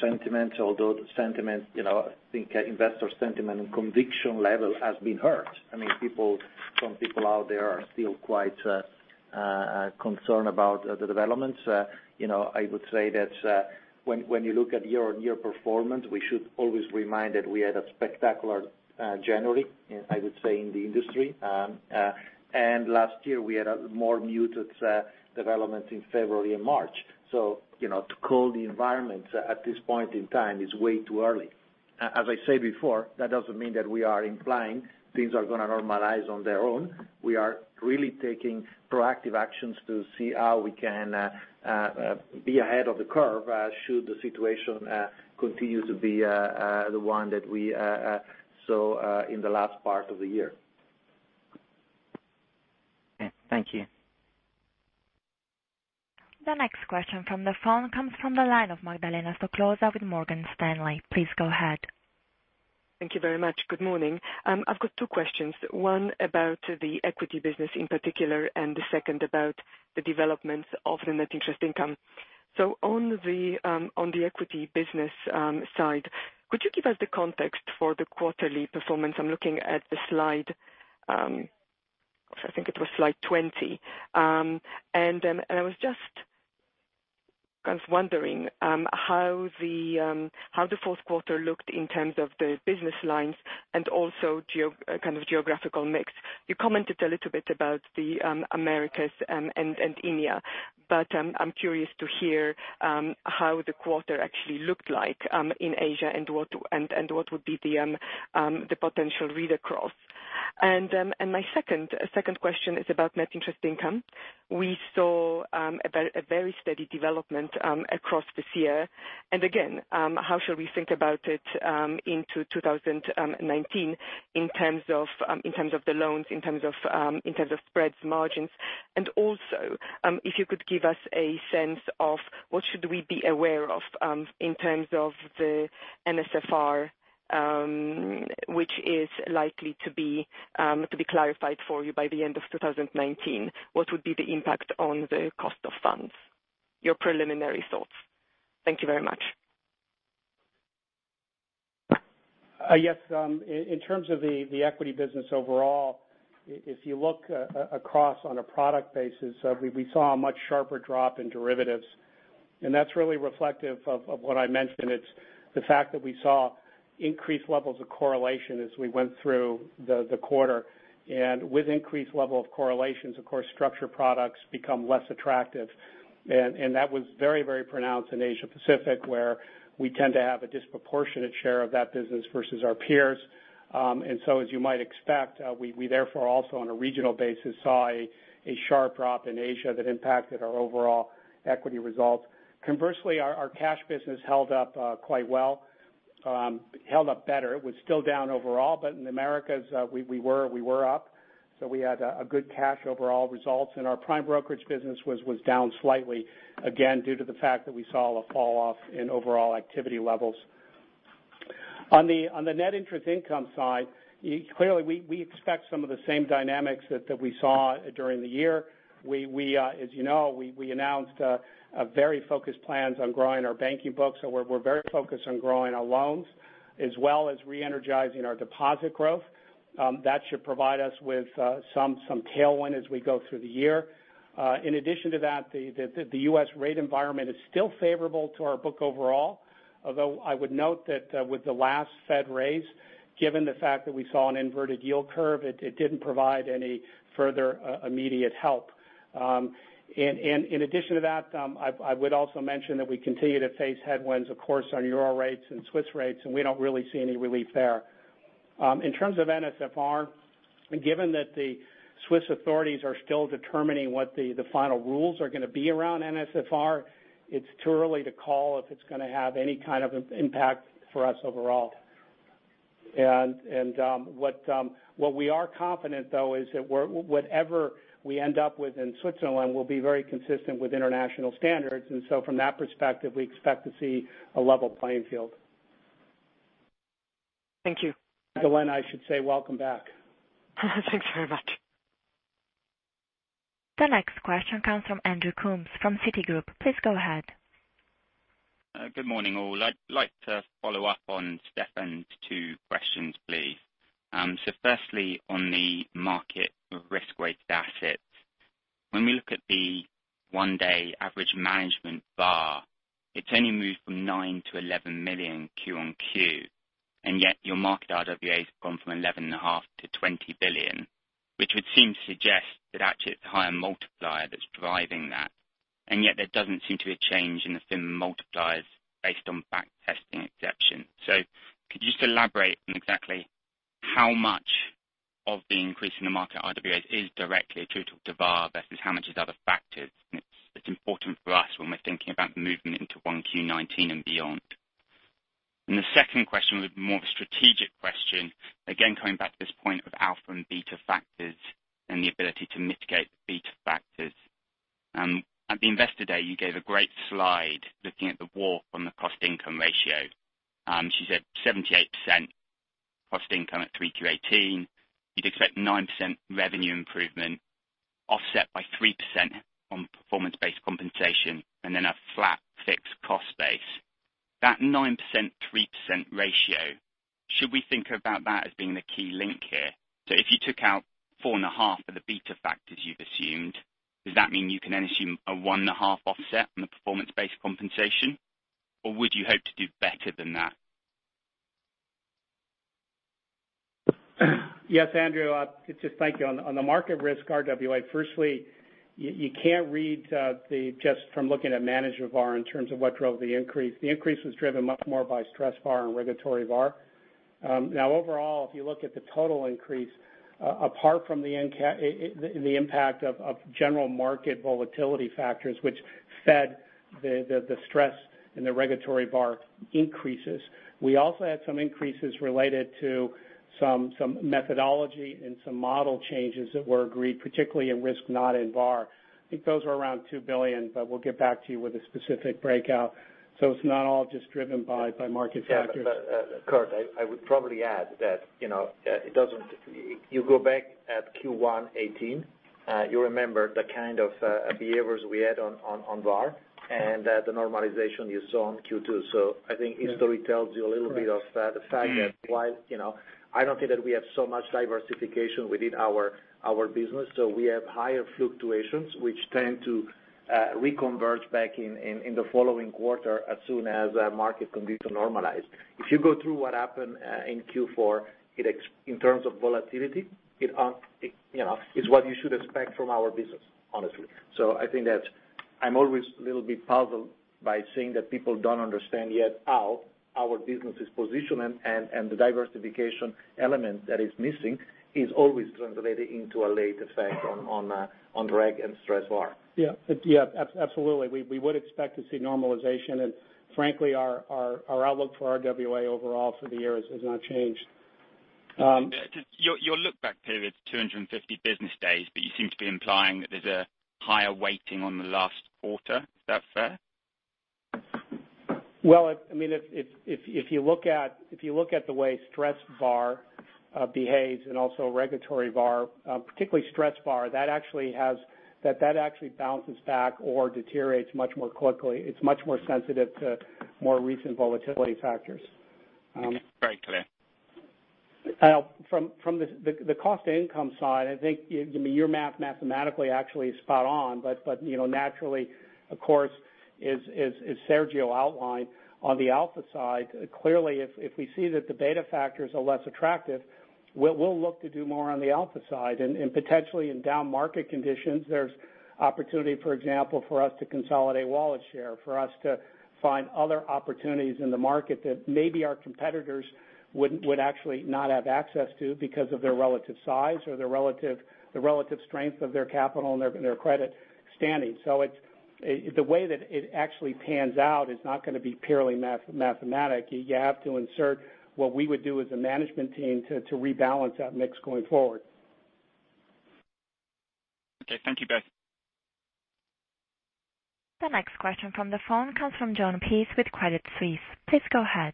sentiment, although I think investor sentiment and conviction level has been hurt. Some people out there are still quite concerned about the developments. I would say that when you look at year-on-year performance, we should always remind that we had a spectacular January, I would say, in the industry. Last year, we had a more muted development in February and March. To call the environment at this point in time is way too early. As I say before, that doesn't mean that we are implying things are going to normalize on their own. We are really taking proactive actions to see how we can be ahead of the curve, should the situation continue to be the one that we saw in the last part of the year.
Okay. Thank you.
The next question from the phone comes from the line of Magdalena Stoklosa with Morgan Stanley. Please go ahead.
Thank you very much. Good morning. I've got two questions. One about the equity business in particular, and the second about the development of the net interest income. On the equity business side, could you give us the context for the quarterly performance? I'm looking at the slide, I think it was slide 20. I was just wondering how the fourth quarter looked in terms of the business lines and also geographical mix. You commented a little bit about the Americas and India, but I'm curious to hear how the quarter actually looked like in Asia and what would be the potential read-across. My second question is about net interest income. We saw a very steady development across this year. Again, how should we think about it into 2019 in terms of the loans, in terms of spreads, margins? Also, if you could give us a sense of what should we be aware of in terms of the NSFR, which is likely to be clarified for you by the end of 2019. What would be the impact on the cost of funds? Your preliminary thoughts. Thank you very much.
Yes. In terms of the equity business overall, if you look across on a product basis, we saw a much sharper drop in derivatives. That's really reflective of what I mentioned. It's the fact that we saw increased levels of correlation as we went through the quarter. With increased level of correlations, of course, structure products become less attractive. That was very, very pronounced in Asia Pacific, where we tend to have a disproportionate share of that business versus our peers. As you might expect, we therefore also on a regional basis, saw a sharp drop in Asia that impacted our overall equity results. Conversely, our cash business held up quite well. Held up better. It was still down overall, but in Americas we were up, so we had a good cash overall results. Our prime brokerage business was down slightly, again, due to the fact that we saw a fall-off in overall activity levels. On the net interest income side, clearly, we expect some of the same dynamics that we saw during the year. As you know, we announced a very focused plans on growing our banking books. We're very focused on growing our loans as well as re-energizing our deposit growth. That should provide us with some tailwind as we go through the year. In addition to that, the U.S. rate environment is still favorable to our book overall. Although I would note that with the last Fed raise, given the fact that we saw an inverted yield curve, it didn't provide any further immediate help. In addition to that, I would also mention that we continue to face headwinds, of course, on euro rates and Swiss rates, and we don't really see any relief there. In terms of NSFR, given that the Swiss authorities are still determining what the final rules are going to be around NSFR, it's too early to call if it's going to have any kind of impact for us overall. What we are confident though, is that whatever we end up with in Switzerland will be very consistent with international standards. From that perspective, we expect to see a level playing field.
Thank you.
Magdalena, I should say welcome back.
Thanks very much.
The next question comes from Andrew Coombs from Citigroup. Please go ahead.
Good morning, all. I'd like to follow up on Stefan's two questions, please. Firstly, on the market of risk-weighted assets. When we look at the one-day average management VaR, it's only moved from 9 million-11 million Q-on-Q, yet your market RWA has gone from 11.5 billion-20 billion, which would seem to suggest that actually it's a higher multiplier that's driving that. Yet there doesn't seem to be a change in the thin multipliers based on back testing exception. Could you just elaborate on exactly how much of the increase in the market RWAs is directly attributable to VaR versus how much is other factors? It's important for us when we're thinking about moving into 1Q19 and beyond. The second question would be more of a strategic question. Coming back to this point of alpha and beta factors and the ability to mitigate the beta factors. At the investor day, you gave a great slide looking at the war from the cost-income ratio. As you said, 78% cost income at 3Q18. You'd expect 9% revenue improvement offset by 3% on performance-based compensation, and then a flat fixed cost base. That 9%, 3% ratio, should we think about that as being the key link here? If you took out four and a half of the beta factors you've assumed, does that mean you can then assume a one and a half offset on the performance-based compensation? Would you hope to do better than that?
Yes, Andrew. Thank you. On the market risk RWA, firstly, you can't read just from looking at management VaR in terms of what drove the increase. The increase was driven much more by stress VaR and regulatory VaR. Overall, if you look at the total increase, apart from the impact of general market volatility factors, which fed the stress and the regulatory VaR increases. We also had some increases related to some methodology and some model changes that were agreed, particularly in risk, not in VaR. I think those were around 2 billion, but we'll get back to you with a specific breakout. It's not all just driven by market factors.
Kirt, I would probably add that you go back at Q1 2018, you remember the kind of behaviors we had on VaR, and the normalization you saw on Q2. History tells you a little bit of the fact that while I don't think that we have so much diversification within our business, so we have higher fluctuations, which tend to reconverge back in the following quarter as soon as market conditions normalize. If you go through what happened in Q4, in terms of volatility, it's what you should expect from our business, honestly. I think that I'm always a little bit puzzled by seeing that people don't understand yet how our business is positioned and the diversification element that is missing is always translated into a late effect on reg and stress VaR.
Yeah. Absolutely. We would expect to see normalization, and frankly, our outlook for RWA overall for the year has not changed.
Your look-back period is 250 business days, you seem to be implying that there's a higher weighting on the last quarter. Is that fair?
Well, if you look at the way stress VaR behaves and also regulatory VaR, particularly stress VaR, that actually balances back or deteriorates much more quickly. It's much more sensitive to more recent volatility factors.
Very clear.
Naturally, of course, as Sergio outlined, on the alpha side, clearly, if we see that the beta factors are less attractive, we'll look to do more on the alpha side. Potentially in down market conditions, there's opportunity, for example, for us to consolidate wallet share. For us to find other opportunities in the market that maybe our competitors would actually not have access to because of their relative size or the relative strength of their capital and their credit standing. The way that it actually pans out is not going to be purely mathematic. You have to insert what we would do as a management team to rebalance that mix going forward.
Okay, thank you both.
The next question from the phone comes from Jon Peace with Credit Suisse. Please go ahead.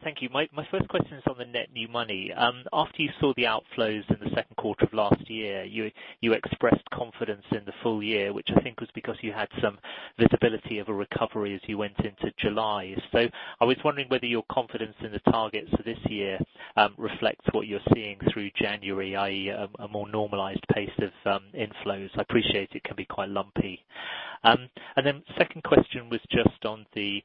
Yes. Thank you. My first question is on the net new money. After you saw the outflows in the second quarter of last year, you expressed confidence in the full year, which I think was because you had some visibility of a recovery as you went into July. I was wondering whether your confidence in the targets for this year reflects what you're seeing through January, i.e., a more normalized pace of inflows. I appreciate it can be quite lumpy. Second question was just on the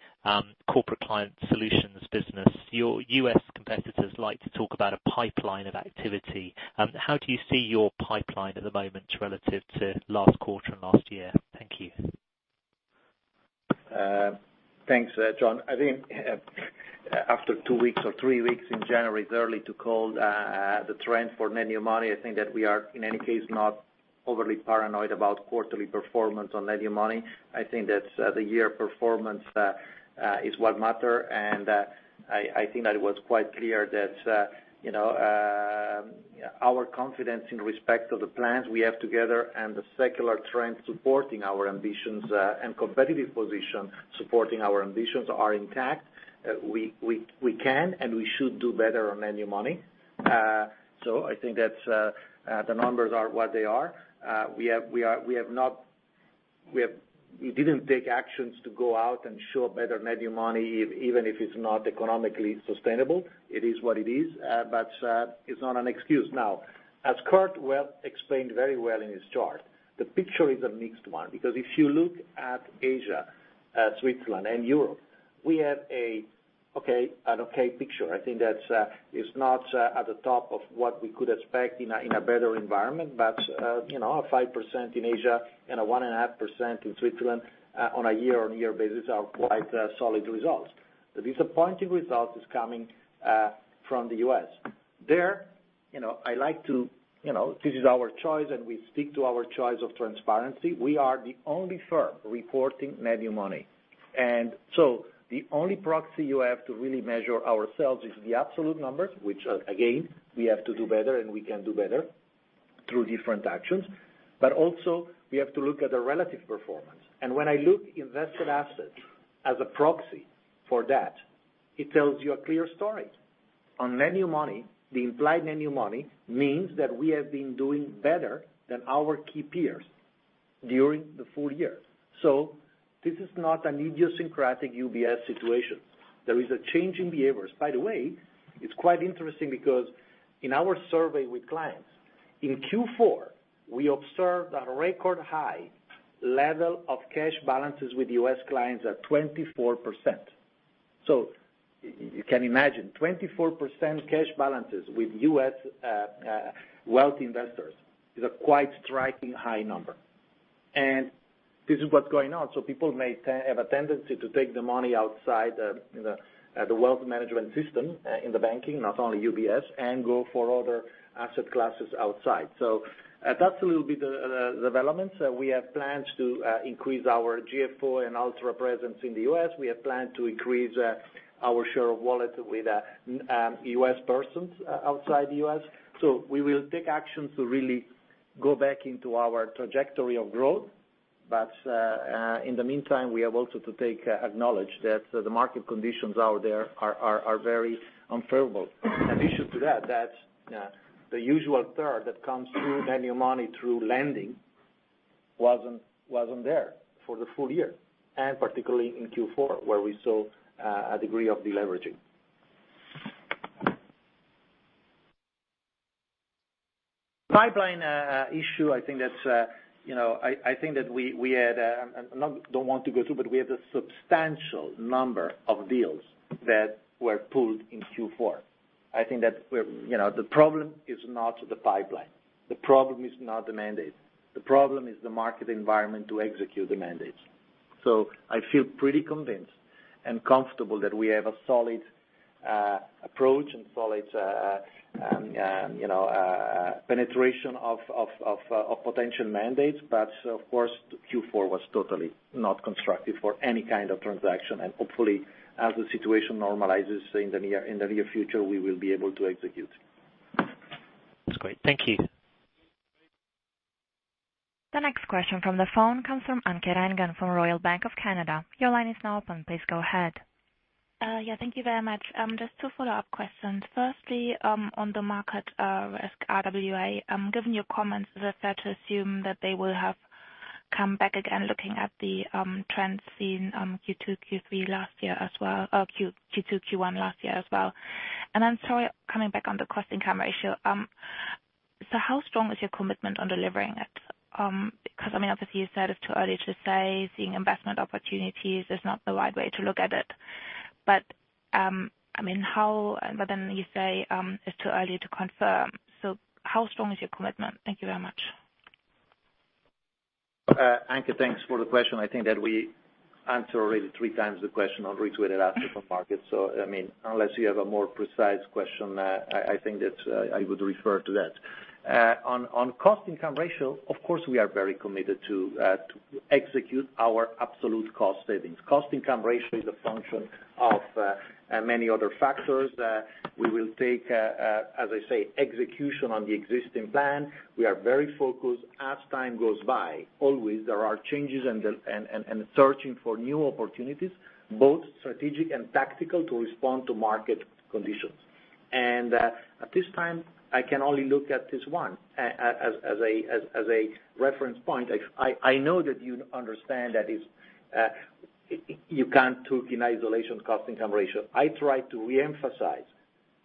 corporate client solutions business. Your U.S. competitors like to talk about a pipeline of activity. How do you see your pipeline at the moment relative to last quarter and last year? Thank you.
Thanks, Jon. I think after two weeks or three weeks in January, it's early to call the trend for net new money. I think that we are, in any case, not overly paranoid about quarterly performance on net new money. I think that the year performance is what matters, and it was quite clear that our confidence in respect of the plans we have together and the secular trend supporting our ambitions, and competitive position supporting our ambitions are intact. We can and we should do better on net new money. I think that the numbers are what they are. We didn't take actions to go out and show better net new money, even if it's not economically sustainable. It is what it is. It's not an excuse. Now, as Kirt explained very well in his chart, the picture is a mixed one, because if you look at Asia, Switzerland, and Europe, we have an okay picture. I think that it's not at the top of what we could expect in a better environment, but 5% in Asia and a 1.5% in Switzerland on a year-on-year basis are quite solid results. The disappointing result is coming from the U.S. There, this is our choice and we stick to our choice of transparency. We are the only firm reporting net new money. The only proxy you have to really measure ourselves is the absolute numbers, which again, we have to do better and we can do better through different actions. Also we have to look at the relative performance. When I look invested assets as a proxy for that, it tells you a clear story. On net new money, the implied net new money means that we have been doing better than our key peers during the full year. This is not an idiosyncratic UBS situation. There is a change in behaviors. By the way, it's quite interesting because in our survey with clients, in Q4, we observed a record high level of cash balances with U.S. clients at 24%. You can imagine, 24% cash balances with U.S. wealth investors is a quite striking high number. This is what's going on. People may have a tendency to take the money outside the wealth management system in the banking, not only UBS, and go for other asset classes outside. That's a little bit developments. We have plans to increase our GFO and Ultra presence in the U.S. We have planned to increase our share of wallet with U.S. persons outside the U.S. We will take actions to really go back into our trajectory of growth. In the meantime, we have also to acknowledge that the market conditions out there are very unfavorable. In addition to that, the usual third that comes through net new money through lending wasn't there for the full year, and particularly in Q4, where we saw a degree of deleveraging. Pipeline issue, I don't want to go through, but we have a substantial number of deals that were pulled in Q4. I think that the problem is not the pipeline. The problem is not the mandate. The problem is the market environment to execute the mandate. I feel pretty convinced and comfortable that we have a solid approach and solid penetration of potential mandates. Of course, Q4 was totally not constructive for any kind of transaction. Hopefully, as the situation normalizes in the near future, we will be able to execute.
That's great. Thank you.
The next question from the phone comes from Anke Reingen from Royal Bank of Canada. Your line is now open. Please go ahead.
Yeah, thank you very much. Just two follow-up questions. Firstly, on the market, RWA, given your comments, is it fair to assume that they will have come back again, looking at the trends seen Q2, Q1 last year as well? Sorry, coming back on the cost-income ratio. How strong is your commitment on delivering it? Because obviously, you said it's too early to say, seeing investment opportunities is not the right way to look at it. You say it's too early to confirm. How strong is your commitment? Thank you very much.
Anke, thanks for the question. I think that we answered already 3 times the question on reiterated assets of markets. Unless you have a more precise question, I think that I would refer to that. On cost-income ratio, of course, we are very committed to execute our absolute cost savings. Cost-income ratio is a function of many other factors. We will take, as I say, execution on the existing plan. We are very focused as time goes by. Always, there are changes and searching for new opportunities, both strategic and tactical, to respond to market conditions. At this time, I can only look at this one as a reference point. I know that you understand that you can't look in isolation cost-income ratio. I try to re-emphasize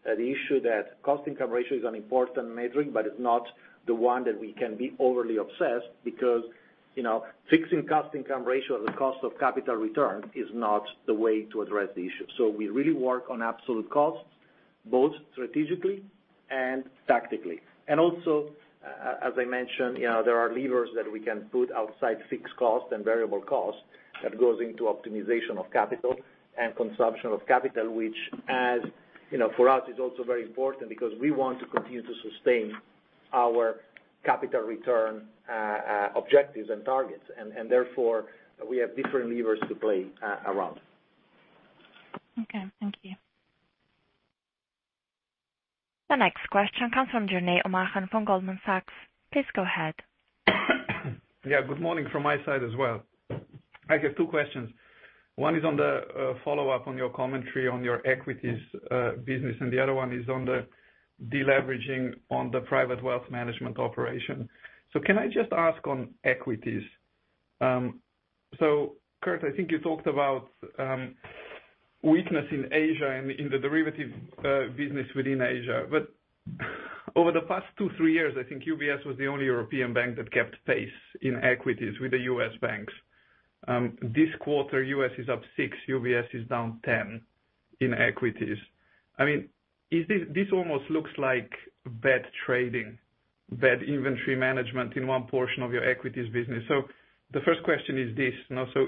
the issue that cost-income ratio is an important metric, but it's not the one that we can be overly obsessed because fixing cost-income ratio at the cost of capital return is not the way to address the issue. We really work on absolute costs, both strategically and tactically. Also, as I mentioned, there are levers that we can put outside fixed cost and variable cost that goes into optimization of capital and consumption of capital, which as for us, is also very important because we want to continue to sustain our capital return objectives and targets. Therefore, we have different levers to play around.
Okay. Thank you.
The next question comes from Jernej Omahen from Goldman Sachs. Please go ahead.
Yeah, good morning from my side as well. I have two questions. One is on the follow-up on your commentary on your equities business, and the other one is on the deleveraging on the private wealth management operation. Can I just ask on equities? Kirt, I think you talked about weakness in Asia and in the derivative business within Asia. But over the past two, three years, I think UBS was the only European bank that kept pace in equities with the U.S. banks. This quarter, U.S. is up six, UBS is down 10 in equities. This almost looks like bad trading, bad inventory management in one portion of your equities business. The first question is this.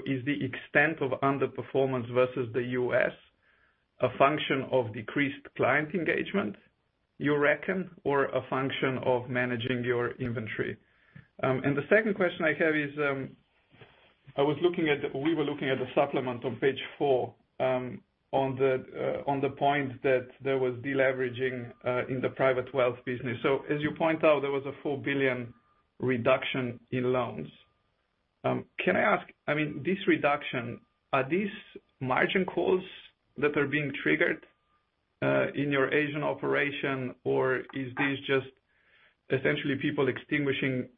Is the extent of underperformance versus the U.S. a function of decreased client engagement, you reckon, or a function of managing your inventory? The second question I have is, we were looking at the supplement on page four, on the point that there was deleveraging in the private wealth business. As you point out, there was a 4 billion reduction in loans. Can I ask, this reduction, are these margin calls that are being triggered in your Asian operation, or is this just essentially people extinguishing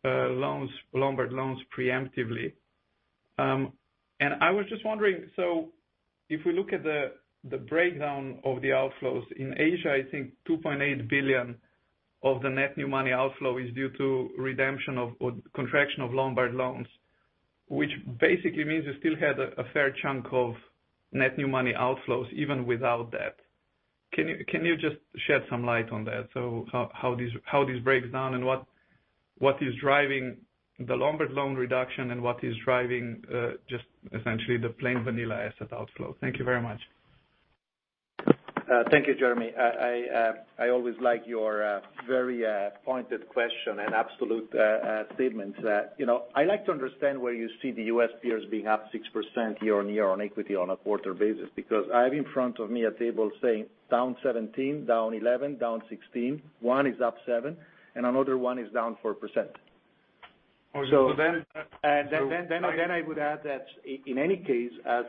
Lombard loans preemptively? I was just wondering, if we look at the breakdown of the outflows in Asia, I think 2.8 billion of the net new money outflow is due to redemption of, or contraction of Lombard loans, which basically means you still had a fair chunk of net new money outflows even without that. Can you just shed some light on that? How this breaks down and what is driving the Lombard loan reduction and what is driving just essentially the plain vanilla asset outflow. Thank you very much.
Thank you, Jernej. I always like your very pointed question and absolute statements. I like to understand where you see the US peers being up 6% year-on-year on equity on a quarter basis, because I have in front of me a table saying, down 17%, down 11%, down 16%. One is up 7%, and another one is down 4%.
So then.
I would add that in any case, as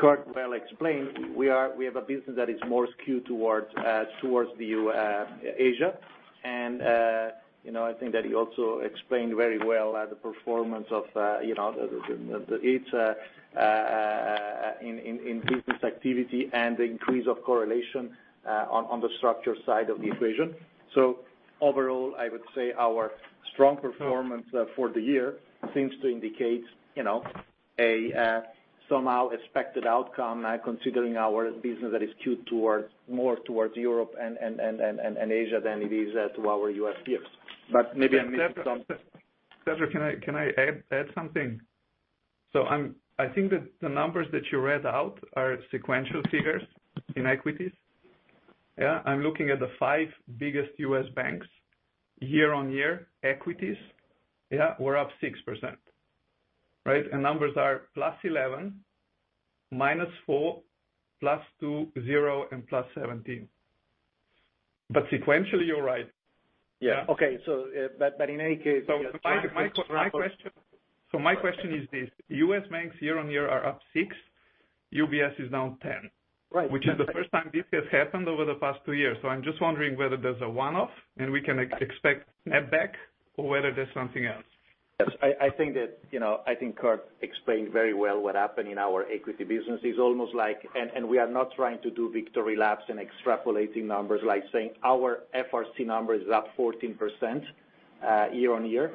Kirt well explained, we have a business that is more skewed towards Asia. I think that he also explained very well the performance of each in business activity and the increase of correlation on the structure side of the equation. Overall, I would say our strong performance for the year seems to indicate a somehow expected outcome, considering our business that is skewed more towards Europe and Asia than it is to our U.S. peers. Maybe I missed something.
Sergio, can I add something? I think that the numbers that you read out are sequential figures in equities. Yeah? I'm looking at the five biggest US banks year-on-year, equities. Yeah, we're up 6%. Right. Numbers are +11%, -4%, +2%, zero, and +17%. Sequentially, you're right.
Yeah. Okay. In any case.
My question is this: U.S. banks year-on-year are up six, UBS is down 10.
Right.
Which is the first time this has happened over the past two years. I'm just wondering whether there's a one-off, and we can expect that back, or whether there's something else.
I think Kirt explained very well what happened in our equity business. It's almost like We are not trying to do victory laps and extrapolating numbers, like saying our FRC number is up 14% year-on-year,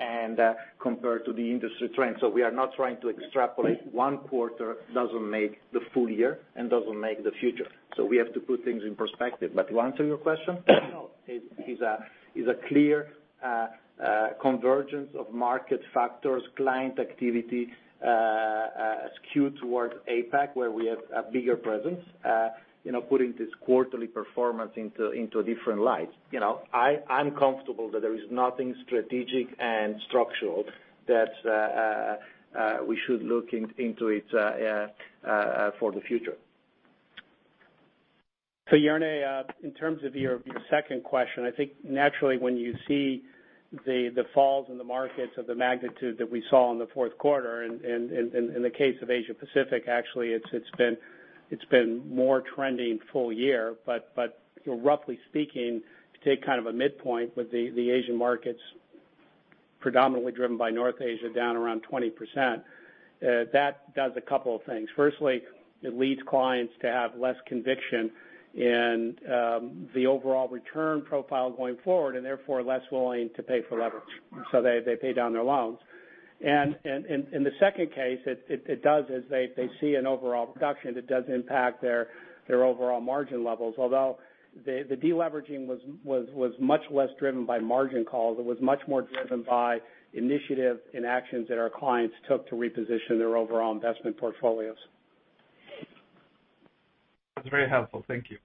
and compared to the industry trend. We are not trying to extrapolate. One quarter doesn't make the full year and doesn't make the future. We have to put things in perspective. To answer your question, it is a clear convergence of market factors, client activity, skewed towards APAC, where we have a bigger presence, putting this quarterly performance into a different light. I'm comfortable that there is nothing strategic and structural that we should look into it for the future.
Jernej, in terms of your second question, I think naturally when you see the falls in the markets of the magnitude that we saw in the fourth quarter, and in the case of Asia Pacific, actually, it's been more trending full year. Roughly speaking, if you take kind of a midpoint with the Asian markets predominantly driven by North Asia down around 20%, that does a couple of things. Firstly, it leads clients to have less conviction in the overall return profile going forward, and therefore less willing to pay for leverage. They pay down their loans. In the second case, it does is they see an overall reduction that does impact their overall margin levels. Although the de-leveraging was much less driven by margin calls. It was much more driven by initiative and actions that our clients took to reposition their overall investment portfolios.
That's very helpful. Thank you.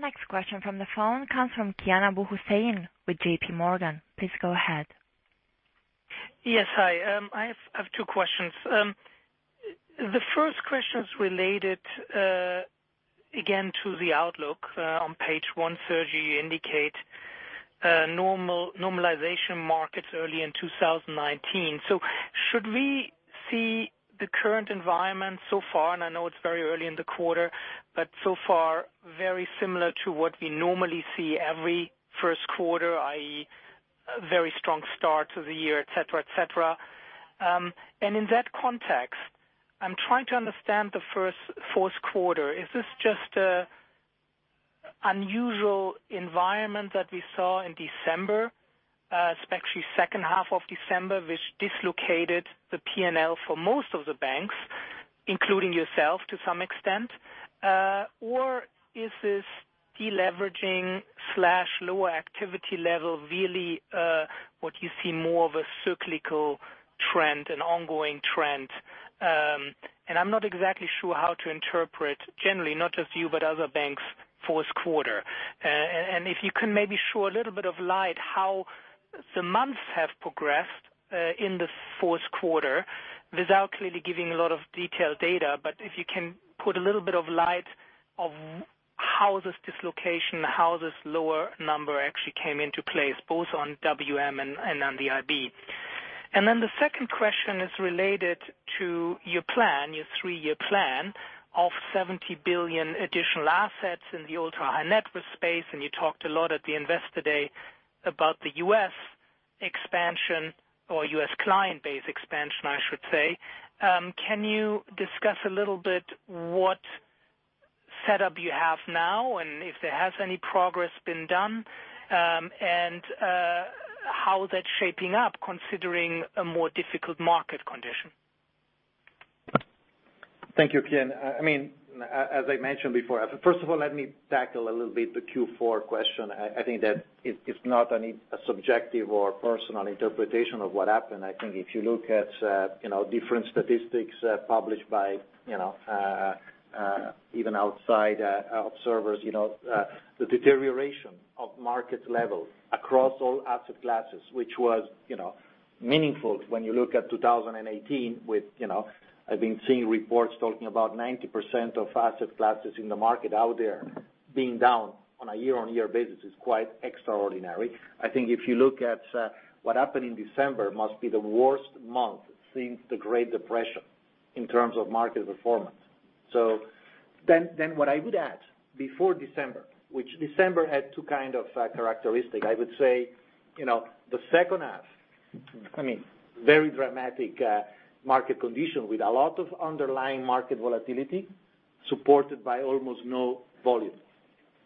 The next question from the phone comes from Kian Abouhossein with JPMorgan. Please go ahead.
Yes. Hi, I have two questions. The first question is related again to the outlook. On page one, Sergio, you indicate normalization markets early in 2019. Should we see the current environment so far, and I know it's very early in the quarter, but so far very similar to what we normally see every first quarter, i.e., very strong start to the year, et cetera. In that context, I'm trying to understand the fourth quarter. Is this just a unusual environment that we saw in December, especially second half of December, which dislocated the P&L for most of the banks, including yourself to some extent? Or is this de-leveraging/lower activity level really what you see more of a cyclical trend, an ongoing trend? I'm not exactly sure how to interpret, generally, not just you, but other banks' fourth quarter. If you can maybe show a little bit of light how the months have progressed in the fourth quarter without clearly giving a lot of detailed data, but if you can put a little bit of light on how this dislocation, how this lower number actually came into place, both on WM and on the IB. The second question is related to your plan, your three-year plan of 70 billion additional assets in the ultra-high net worth space, and you talked a lot at the investor day about the U.S. expansion or U.S. client base expansion, I should say. Can you discuss a little bit what setup you have now and if there has any progress been done, and how that's shaping up considering a more difficult market condition?
Thank you, Kian. As I mentioned before, first of all, let me tackle a little bit the Q4 question. I think that it's not a subjective or personal interpretation of what happened. I think if you look at different statistics published by even outside observers, the deterioration of market levels across all asset classes, which was meaningful when you look at 2018 with, I've been seeing reports talking about 90% of asset classes in the market out there being down on a year-on-year basis is quite extraordinary. I think if you look at what happened in December, must be the worst month since the Great Depression in terms of market performance. What I would add, before December, which December had two kind of characteristic, I would say, the second half, very dramatic market condition with a lot of underlying market volatility supported by almost no volume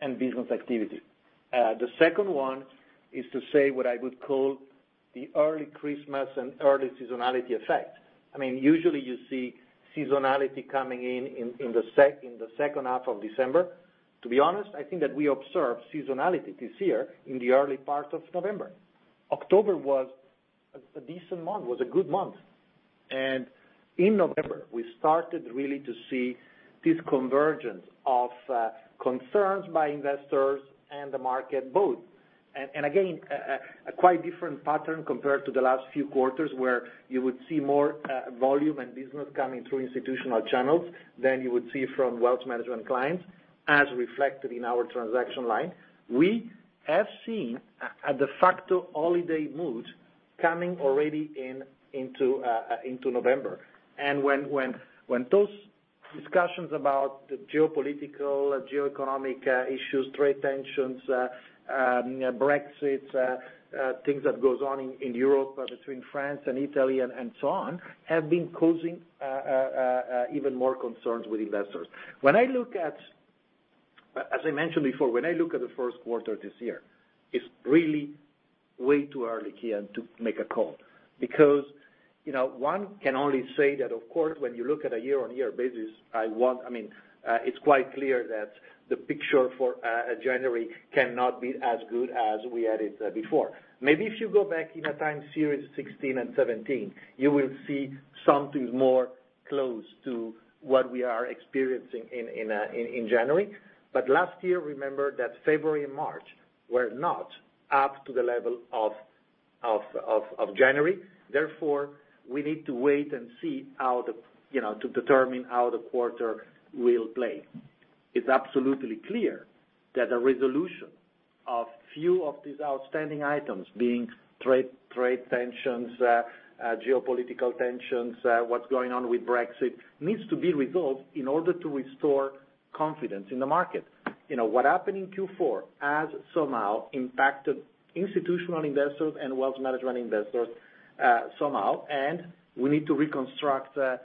and business activity. The second one is to say what I would call the early Christmas and early seasonality effect. Usually, you see seasonality coming in in the second half of December. To be honest, I think that we observed seasonality this year in the early part of November. October was a decent month, was a good month. In November, we started really to see this convergence of concerns by investors and the market both. A quite different pattern compared to the last few quarters, where you would see more volume and business coming through institutional channels than you would see from wealth management clients, as reflected in our transaction line. We have seen a de facto holiday mood coming already into November. When those discussions about the geopolitical, geoeconomic issues, trade tensions, Brexit, things that goes on in Europe between France and Italy and so on, have been causing even more concerns with investors. As I mentioned before, when I look at the first quarter this year, it's really way too early, Kian, to make a call, because one can only say that, of course, when you look at a year-on-year basis, it's quite clear that the picture for January cannot be as good as we had it before. Maybe if you go back in a time series 2016 and 2017, you will see something more close to what we are experiencing in January. Last year, remember that February and March were not up to the level of January. Therefore, we need to wait and see to determine how the quarter will play. It's absolutely clear that a resolution of few of these outstanding items, being trade tensions, geopolitical tensions, what's going on with Brexit, needs to be resolved in order to restore confidence in the market. What happened in Q4 has somehow impacted institutional investors and wealth management investors somehow, and we need to reconstruct their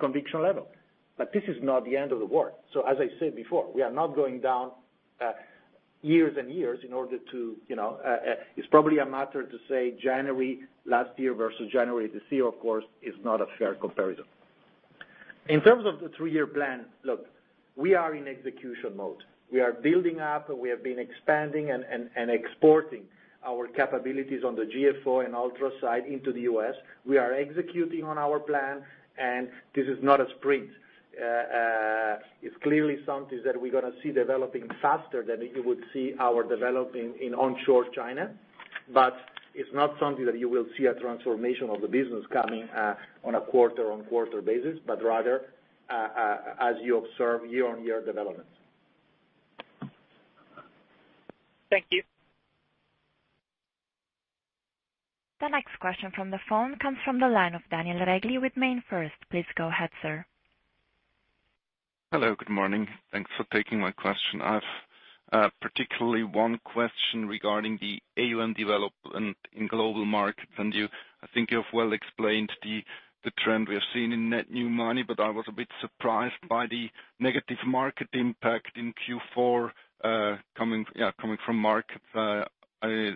conviction level. This is not the end of the world. As I said before, it's probably a matter to say January 2018 versus January 2019, of course, is not a fair comparison. In terms of the three year plan, look, we are in execution mode. We are building up. We have been expanding and exporting our capabilities on the GFO and Ultra side into the U.S. We are executing on our plan, and this is not a sprint. It's clearly something that we're going to see developing faster than you would see our developing in onshore China. It's not something that you will see a transformation of the business coming on a quarter-on-quarter basis, but rather, as you observe year-on-year development.
Thank you.
The next question from the phone comes from the line of Daniel Regli with MainFirst. Please go ahead, sir.
Hello. Good morning. Thanks for taking my question. I've particularly one question regarding the AUM development in global markets. I think you have well explained the trend we have seen in net new money, but I was a bit surprised by the negative market impact in Q4 coming from markets. I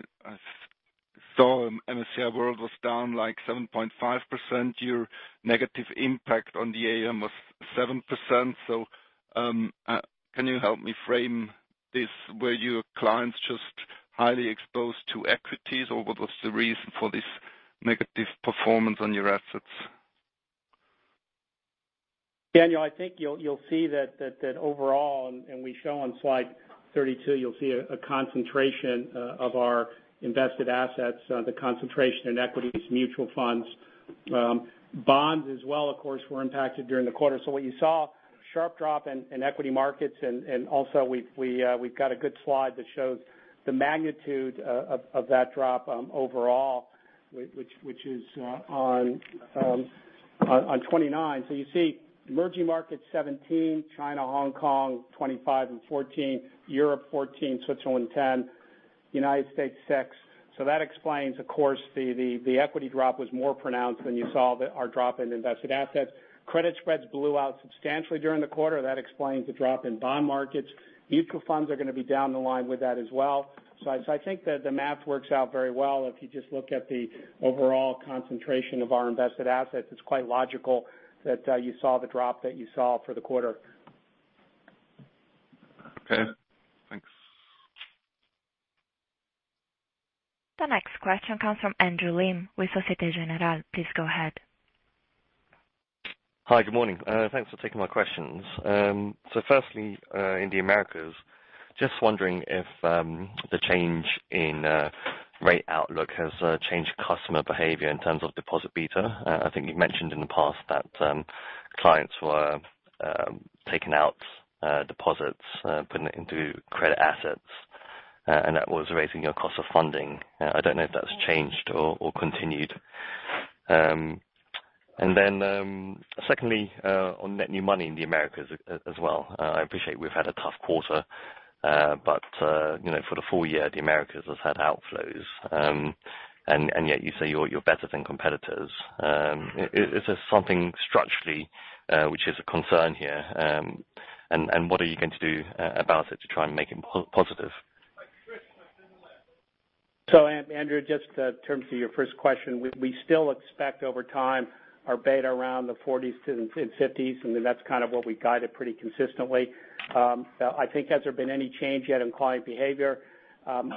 saw MSCI World was down 7.5%. Your negative impact on the AUM was 7%. Can you help me frame this? Were your clients just highly exposed to equities, or what was the reason for this negative performance on your assets?
Daniel, I think you'll see that overall, and we show on slide 32, you'll see a concentration of our invested assets, the concentration in equities, mutual funds. Bonds as well, of course, were impacted during the quarter. What you saw, a sharp drop in equity markets, and also we've got a good slide that shows the magnitude of that drop overall, which is on 29. You see emerging markets, 17, China, Hong Kong, 25 and 14, Europe, 14, Switzerland, 10, United States, 6. That explains, of course, the equity drop was more pronounced when you saw our drop in invested assets. Credit spreads blew out substantially during the quarter. That explains the drop in bond markets. Mutual funds are going to be down the line with that as well. I think that the math works out very well if you just look at the overall concentration of our invested assets. It's quite logical that you saw the drop that you saw for the quarter.
Okay, thanks.
The next question comes from Andrew Lim with Societe Generale. Please go ahead.
Hi. Good morning. Thanks for taking my questions. Firstly, in the Americas, just wondering if the change in rate outlook has changed customer behavior in terms of deposit beta. I think you mentioned in the past that clients were taking out deposits, putting it into credit assets, and that was raising your cost of funding. I don't know if that's changed or continued. Secondly, on net new money in the Americas as well. I appreciate we've had a tough quarter. But for the full year, the Americas has had outflows. Yet you say you're better than competitors. Is this something structurally which is a concern here? What are you going to do about it to try and make it positive?
Andrew, just in terms of your first question, we still expect over time our beta around the 40s and 50s, and that's what we guided pretty consistently. I think has there been any change yet in client behavior?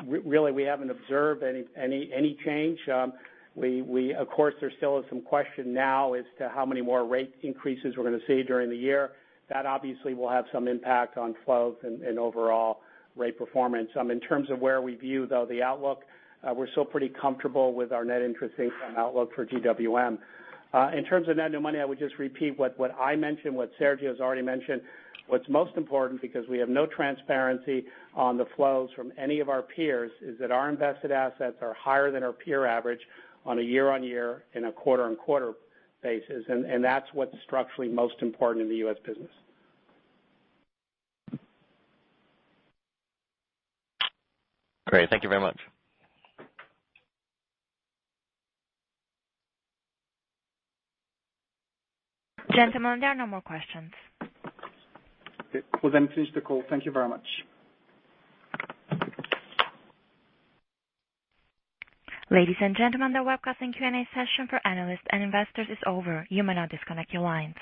Really, we haven't observed any change. Of course, there still is some question now as to how many more rate increases we're going to see during the year. That obviously will have some impact on flows and overall rate performance. In terms of where we view, though, the outlook, we're still pretty comfortable with our net interest income outlook for GWM. In terms of net new money, I would just repeat what I mentioned, what Sergio's already mentioned. What's most important, because we have no transparency on the flows from any of our peers, is that our invested assets are higher than our peer average on a year-on-year and a quarter-on-quarter basis, and that's what's structurally most important in the U.S. business.
Great. Thank you very much.
Gentlemen, there are no more questions.
Okay. We'll finish the call. Thank you very much.
Ladies and gentlemen, the webcast and Q&A session for analysts and investors is over. You may now disconnect your lines.